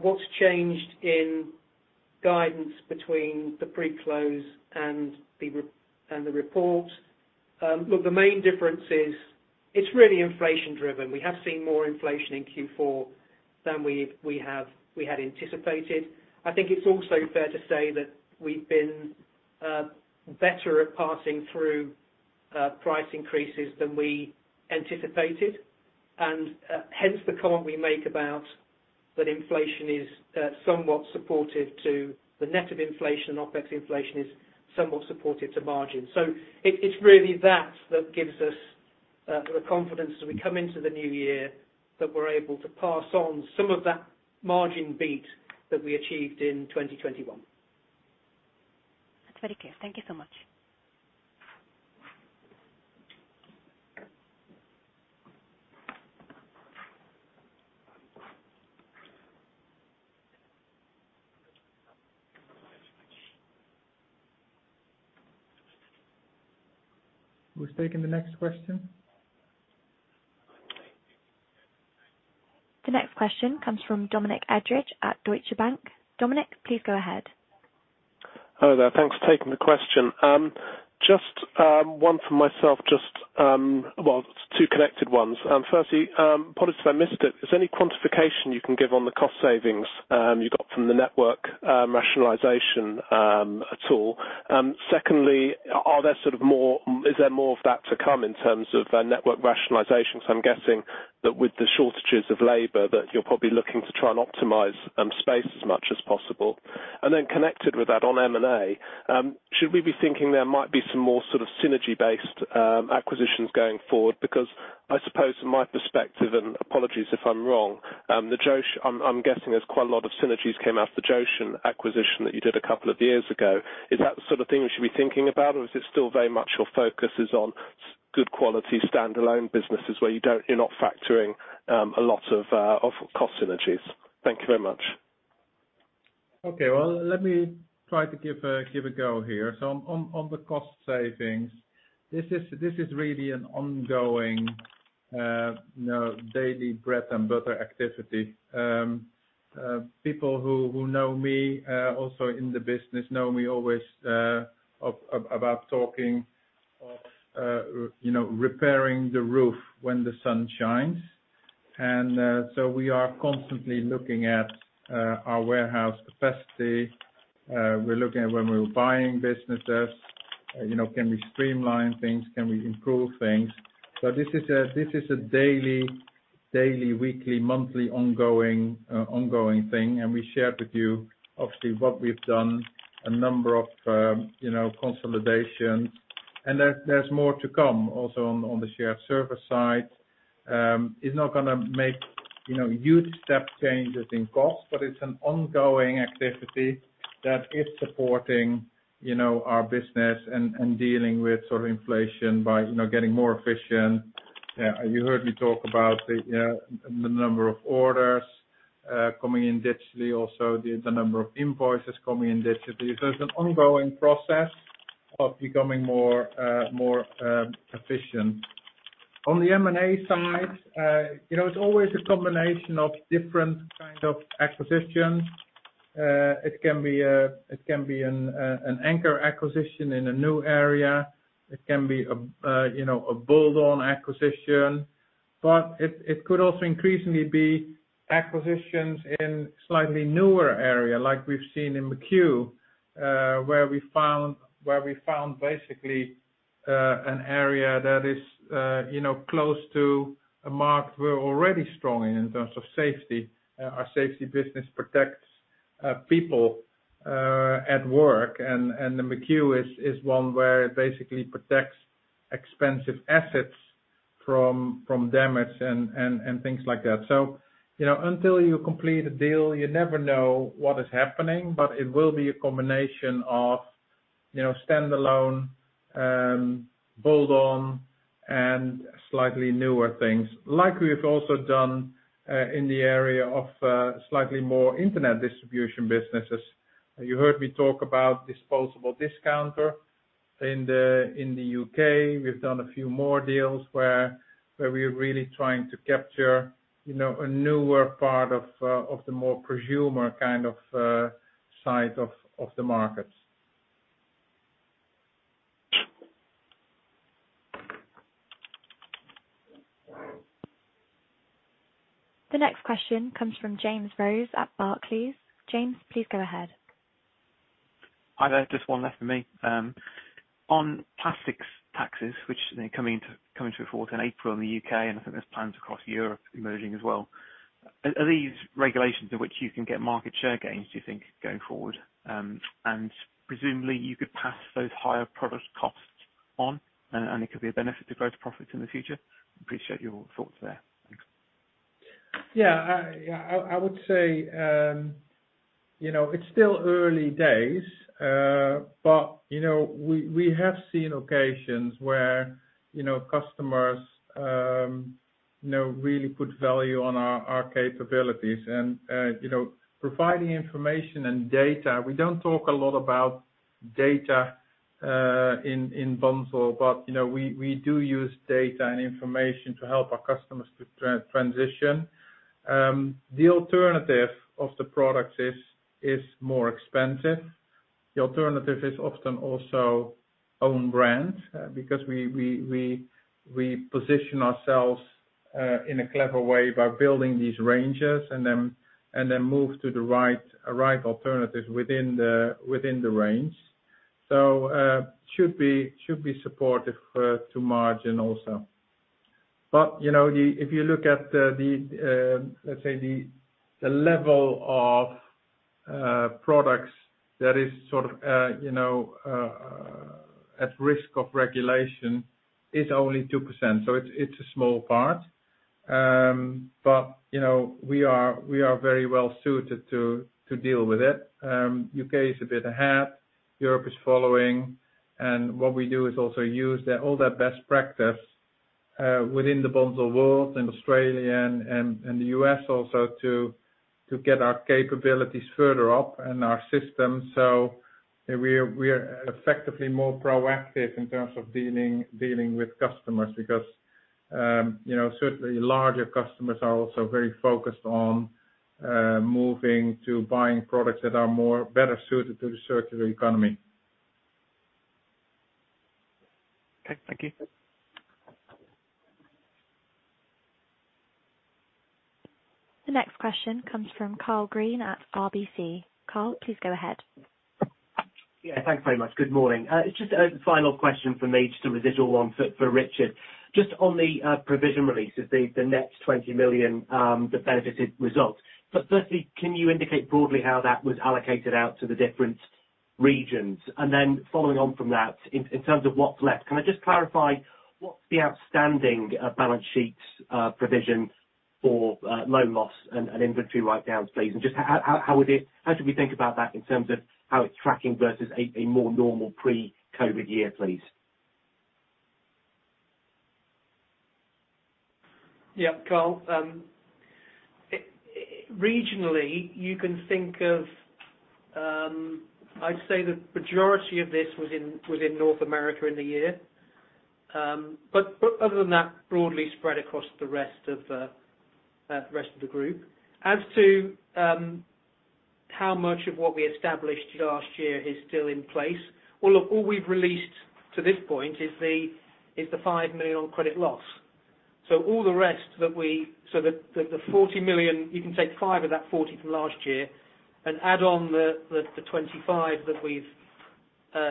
what's changed in guidance between the pre-close and the report. Look, the main difference is it's really inflation driven. We have seen more inflation in Q4 than we had anticipated. I think it's also fair to say that we've been better at passing through price increases than we anticipated. Hence the comment we make about that inflation is somewhat supportive to the net of inflation and OpEx inflation is somewhat supportive to margin. It's really that that gives us the confidence as we come into the new year, that we're able to pass on some of that margin beat that we achieved in 2021. That's very clear. Thank you so much. Who's taking the next question? The next question comes from Dominic Edridge at Deutsche Bank. Dominic, please go ahead. Hello there. Thanks for taking the question. Just one for myself. Well, two connected ones. Firstly, apologies if I missed it. Is there any quantification you can give on the cost savings you got from the network rationalization at all? Secondly, is there more of that to come in terms of network rationalization? Because I'm guessing that with the shortages of labor, that you're probably looking to try and optimize space as much as possible. Connected with that, on M&A, should we be thinking there might be some more sort of synergy-based acquisitions going forward? Because I suppose from my perspective, and apologies if I'm wrong, the Joshen. I'm guessing there's quite a lot of synergies came out of the Joshen acquisition that you did a couple of years ago. Is that the sort of thing we should be thinking about? Or is it still very much your focus is on good quality standalone businesses where you're not factoring a lot of cost synergies? Thank you very much. Okay, well, let me try to give a go here. On the cost savings, this is really an ongoing, you know, daily bread and butter activity. People who know me also in the business know me always about talking of, you know, repairing the roof when the sun shines. We are constantly looking at our warehouse capacity. We're looking at when we're buying businesses, you know, can we streamline things? Can we improve things? This is a daily, weekly, monthly, ongoing thing. We shared with you obviously what we've done, a number of, you know, consolidations. There's more to come also on the shared service side. It's not gonna make, you know, huge step changes in cost. It's an ongoing activity that is supporting, you know, our business and dealing with sort of inflation by, you know, getting more efficient. You heard me talk about the number of orders coming in digitally, also the number of invoices coming in digitally. It's an ongoing process of becoming more efficient. On the M&A side, you know, it's always a combination of different kinds of acquisitions. It can be an anchor acquisition in a new area. It can be a bolt-on acquisition. It could also increasingly be acquisitions in slightly newer area, like we've seen in McCue, where we found basically an area that is, you know, close to a market we're already strong in terms of safety. Our safety business protects people at work. The McCue is one where it basically protects expensive assets from damage and things like that. You know, until you complete a deal, you never know what is happening. It will be a combination of, you know, standalone, bolt-on and slightly newer things. Like we have also done in the area of slightly more internet distribution businesses. You heard me talk about Disposable Discounter in The U.K.. We've done a few more deals where we're really trying to capture, you know, a newer part of the more prosumer kind of side of the markets. The next question comes from James Rose at Barclays. James, please go ahead. Hi there. Just one left for me. On plastics taxes, which, you know, coming into force in April in The U.K., and I think there's plans across Europe emerging as well. Are these regulations in which you can get market share gains, do you think, going forward? Presumably you could pass those higher product costs on, and it could be a benefit to gross profit in the future. Appreciate your thoughts there. Thanks. Yeah. I would say, you know, it's still early days. We have seen occasions where, you know, customers really put value on our capabilities. Providing information and data, we don't talk a lot about data in Bunzl. We do use data and information to help our customers to transition. The alternative of the product is more expensive. The alternative is often also own brand, because we position ourselves in a clever way by building these ranges and then move to the right alternative within the range. Should be supportive to margin also. You know, if you look at the, let's say, the level of products that is sort of you know at risk of regulation is only 2%, so it's a small part. You know, we are very well suited to deal with it. U.K. is a bit ahead, Europe is following. What we do is also use all their best practice within the Bunzl world, in Australia and The U.S. also to get our capabilities further up and our systems. We are effectively more proactive in terms of dealing with customers because you know, certainly larger customers are also very focused on moving to buying products that are more better suited to the circular economy. Okay, thank you. The next question comes from Karl Green at RBC. Karl, please go ahead. Yeah, thank you very much. Good morning. It's just a final question from me, just a residual one for Richard. Just on the provision releases, the net 20 million that benefited results. Firstly, can you indicate broadly how that was allocated out to the different regions? Then following on from that, in terms of what's left, can I just clarify what's the outstanding balance sheets provision for loan loss and inventory write downs, please? Just how should we think about that in terms of how it's tracking versus a more normal pre-COVID year, please? Yeah, Karl. Regionally, you can think of, I'd say the majority of this was in North America in the year. Other than that, broadly spread across the rest of the group. As to how much of what we established last year is still in place, well, look, all we've released to this point is the 5 million on credit loss. So all the rest, the 40 million, you can take five of that 40 from last year and add on the 25 that we've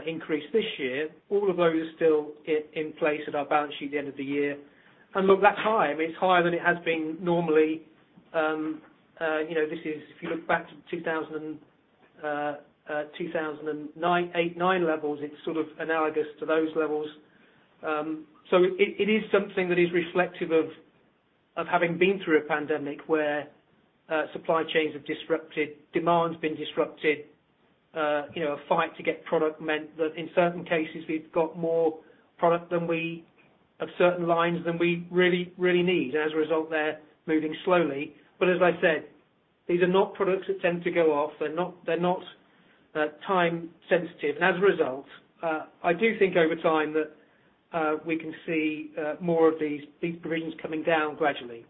increased this year. All of those are still in place at our balance sheet at the end of the year. Look, that's high. I mean, it's higher than it has been normally. You know, this is if you look back to 2009 levels, it's sort of analogous to those levels. It is something that is reflective of having been through a pandemic where supply chains have disrupted, demand's been disrupted, you know, a fight to get product meant that in certain cases, we've got more product than we of certain lines than we really need. As a result, they're moving slowly. But as I said, these are not products that tend to go off. They're not time sensitive. And as a result, I do think over time that we can see more of these provisions coming down gradually.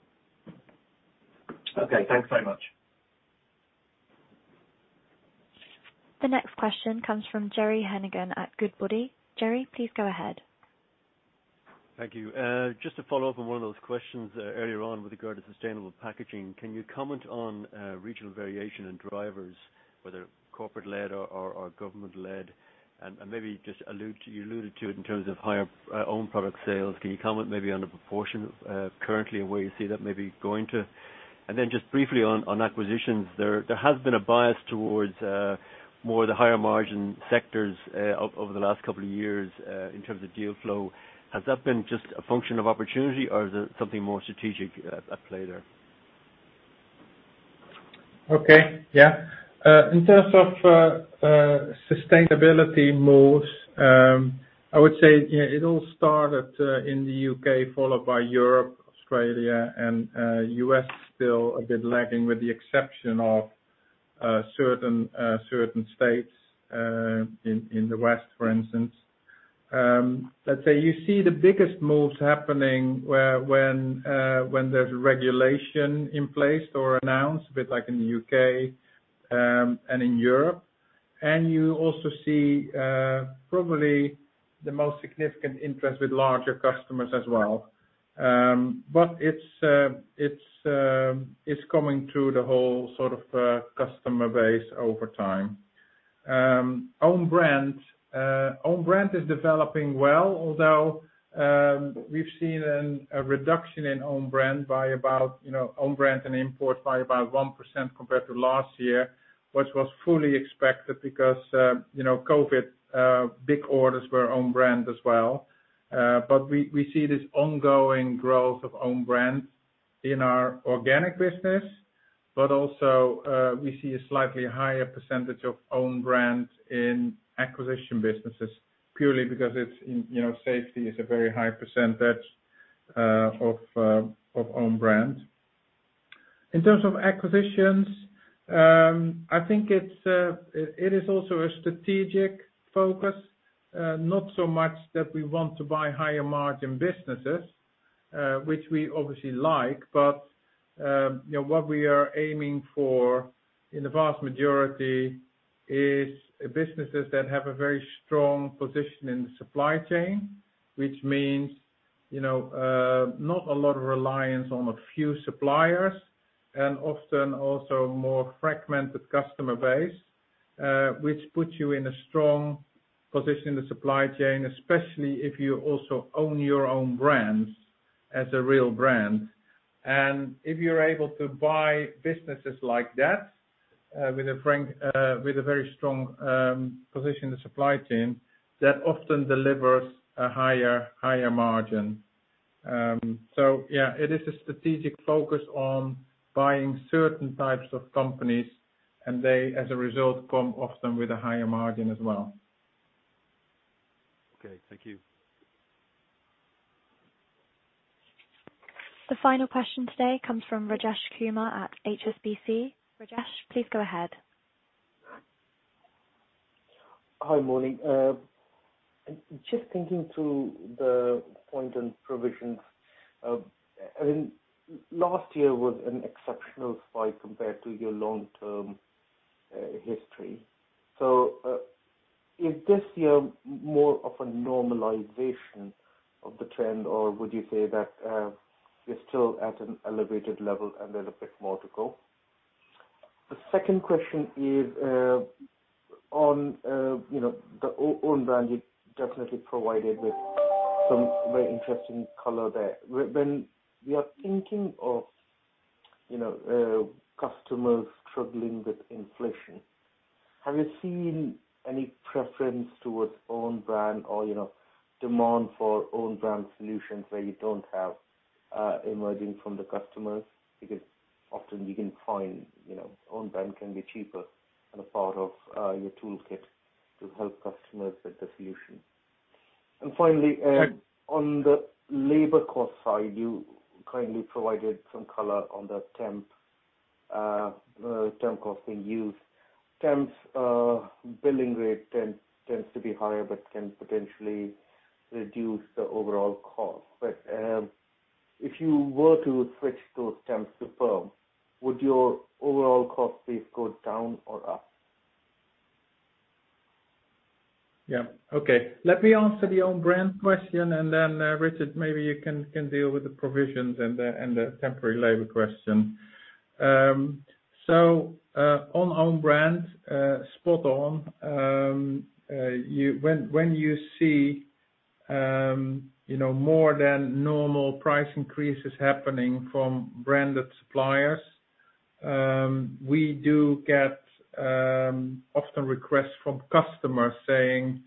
Okay, thanks very much. The next question comes from Gerry Hennigan at Goodbody. Gerry, please go ahead. Thank you. Just to follow up on one of those questions earlier on with regard to sustainable packaging, can you comment on regional variation and drivers, whether corporate-led or government-led? Maybe just allude to, you alluded to it in terms of higher own product sales. Can you comment maybe on the proportion currently and where you see that maybe going to? Then just briefly on acquisitions, there has been a bias towards more the higher margin sectors over the last couple of years in terms of deal flow. Has that been just a function of opportunity or is there something more strategic at play there? Okay. Yeah. In terms of sustainability moves, I would say, you know, it all started in The U.K., followed by Europe, Australia, and U.S. still a bit lagging with the exception of certain states in the West, for instance. Let's say you see the biggest moves happening where, when there's regulation in place or announced, a bit like in The U.K., and in Europe. You also see probably the most significant interest with larger customers as well. It's coming through the whole sort of customer base over time. Own brand is developing well, although we've seen a reduction in own brand by about, you know, own brand and import by about 1% compared to last year, which was fully expected because, you know, COVID big orders were own brand as well. We see this ongoing growth of own brand in our organic business, but also we see a slightly higher percentage of own brand in acquisition businesses, purely because it's in, you know, safety is a very high percentage of own brand. In terms of acquisitions, I think it's, it is also a strategic focus, not so much that we want to buy higher margin businesses, which we obviously like, but, you know, what we are aiming for in the vast majority is businesses that have a very strong position in the supply chain, which means, you know, not a lot of reliance on a few suppliers and often also more fragmented customer base. Which puts you in a strong position in the supply chain, especially if you also own your own brands as a real brand. If you're able to buy businesses like that, with a very strong position in the supply chain, that often delivers a higher margin. Yeah, it is a strategic focus on buying certain types of companies, and they, as a result, come often with a higher margin as well. Okay, thank you. The final question today comes from Rajesh Kumar at HSBC. Rajesh, please go ahead. Hi, morning. Just thinking through the point on provisions. I mean, last year was an exceptional spike compared to your long-term history. Is this year more of a normalization of the trend, or would you say that you're still at an elevated level and there's a bit more to go? The second question is on, you know, the own brand you definitely provided with some very interesting color there. When you are thinking of, you know, customers struggling with inflation, have you seen any preference towards own brand or, you know, demand for own brand solutions where you don't have emerging from the customers? Because often you can find, you know, own brand can be cheaper and a part of your toolkit to help customers with the solution. Finally, on the labor cost side, you kindly provided some color on the temp costing use. Temps billing rate tends to be higher, but can potentially reduce the overall cost. If you were to switch those temps to perm, would your overall cost base go down or up? Yeah. Okay. Let me answer the own brand question and then, Richard, maybe you can deal with the provisions and the temporary labor question. So, on own brand, spot on. When you see, you know, more than normal price increases happening from branded suppliers, we do get often requests from customers saying,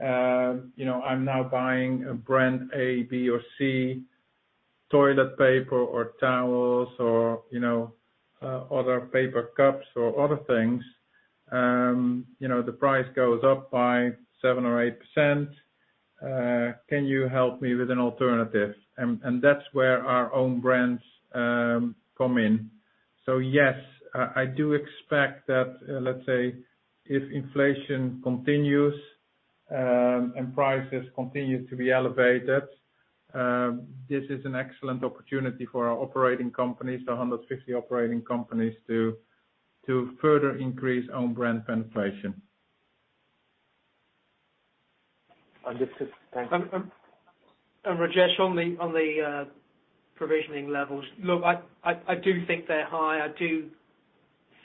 you know, "I'm now buying a brand A, B or C toilet paper or towels or, you know, other paper cups or other things. You know, the price goes up by 7% or 8%. Can you help me with an alternative?" That's where our own brands come in. Yes, I do expect that, let's say if inflation continues, and prices continue to be elevated, this is an excellent opportunity for our operating companies, the 150 operating companies to further increase own brand penetration. Understood. Thank you. Rajesh, on the provisioning levels. Look, I do think they're high. I do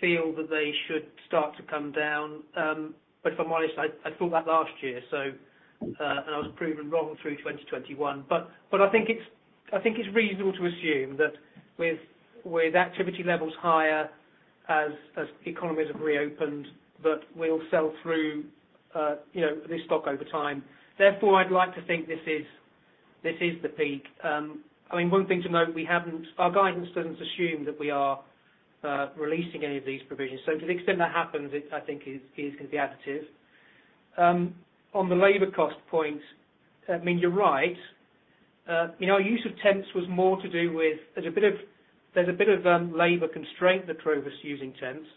feel that they should start to come down. But if I'm honest, I thought that last year, so and I was proven wrong through 2021. But I think it's reasonable to assume that with activity levels higher as economies have reopened, that we'll sell through you know this stock over time. Therefore, I'd like to think this is the peak. I mean, one thing to note, we haven't. Our guidance doesn't assume that we are releasing any of these provisions. So to the extent that happens, it, I think, is gonna be additive. On the labor cost point, I mean, you're right. You know, use of temps was more to do with there's a bit of labor constraint that drove us using temps,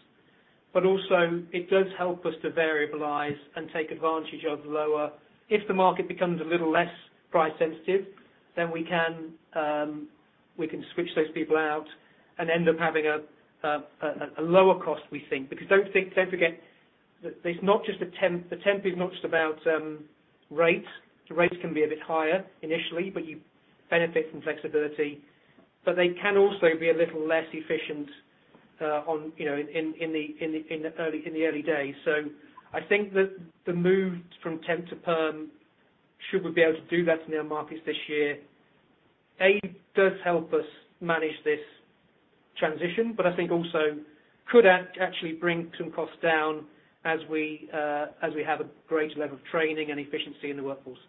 but also it does help us to variabilize and take advantage of lower. If the market becomes a little less price sensitive, then we can switch those people out and end up having a lower cost, we think. Because don't forget that there's not just a temp. The temp is not just about rate. The rates can be a bit higher initially, but you benefit from flexibility. But they can also be a little less efficient, you know, in the early days. I think that the move from temp to perm, should we be able to do that in our markets this year, A, does help us manage this transition, but I think also could actually bring some costs down as we have a greater level of training and efficiency in the workforce.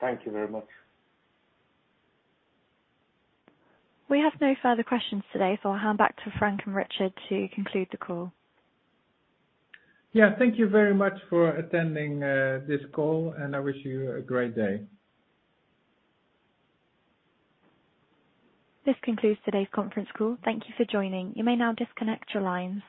Thank you very much. We have no further questions today, so I'll hand back to Frank and Richard to conclude the call. Yeah, thank you very much for attending, this call, and I wish you a great day. This concludes today's conference call. Thank you for joining. You may now disconnect your lines.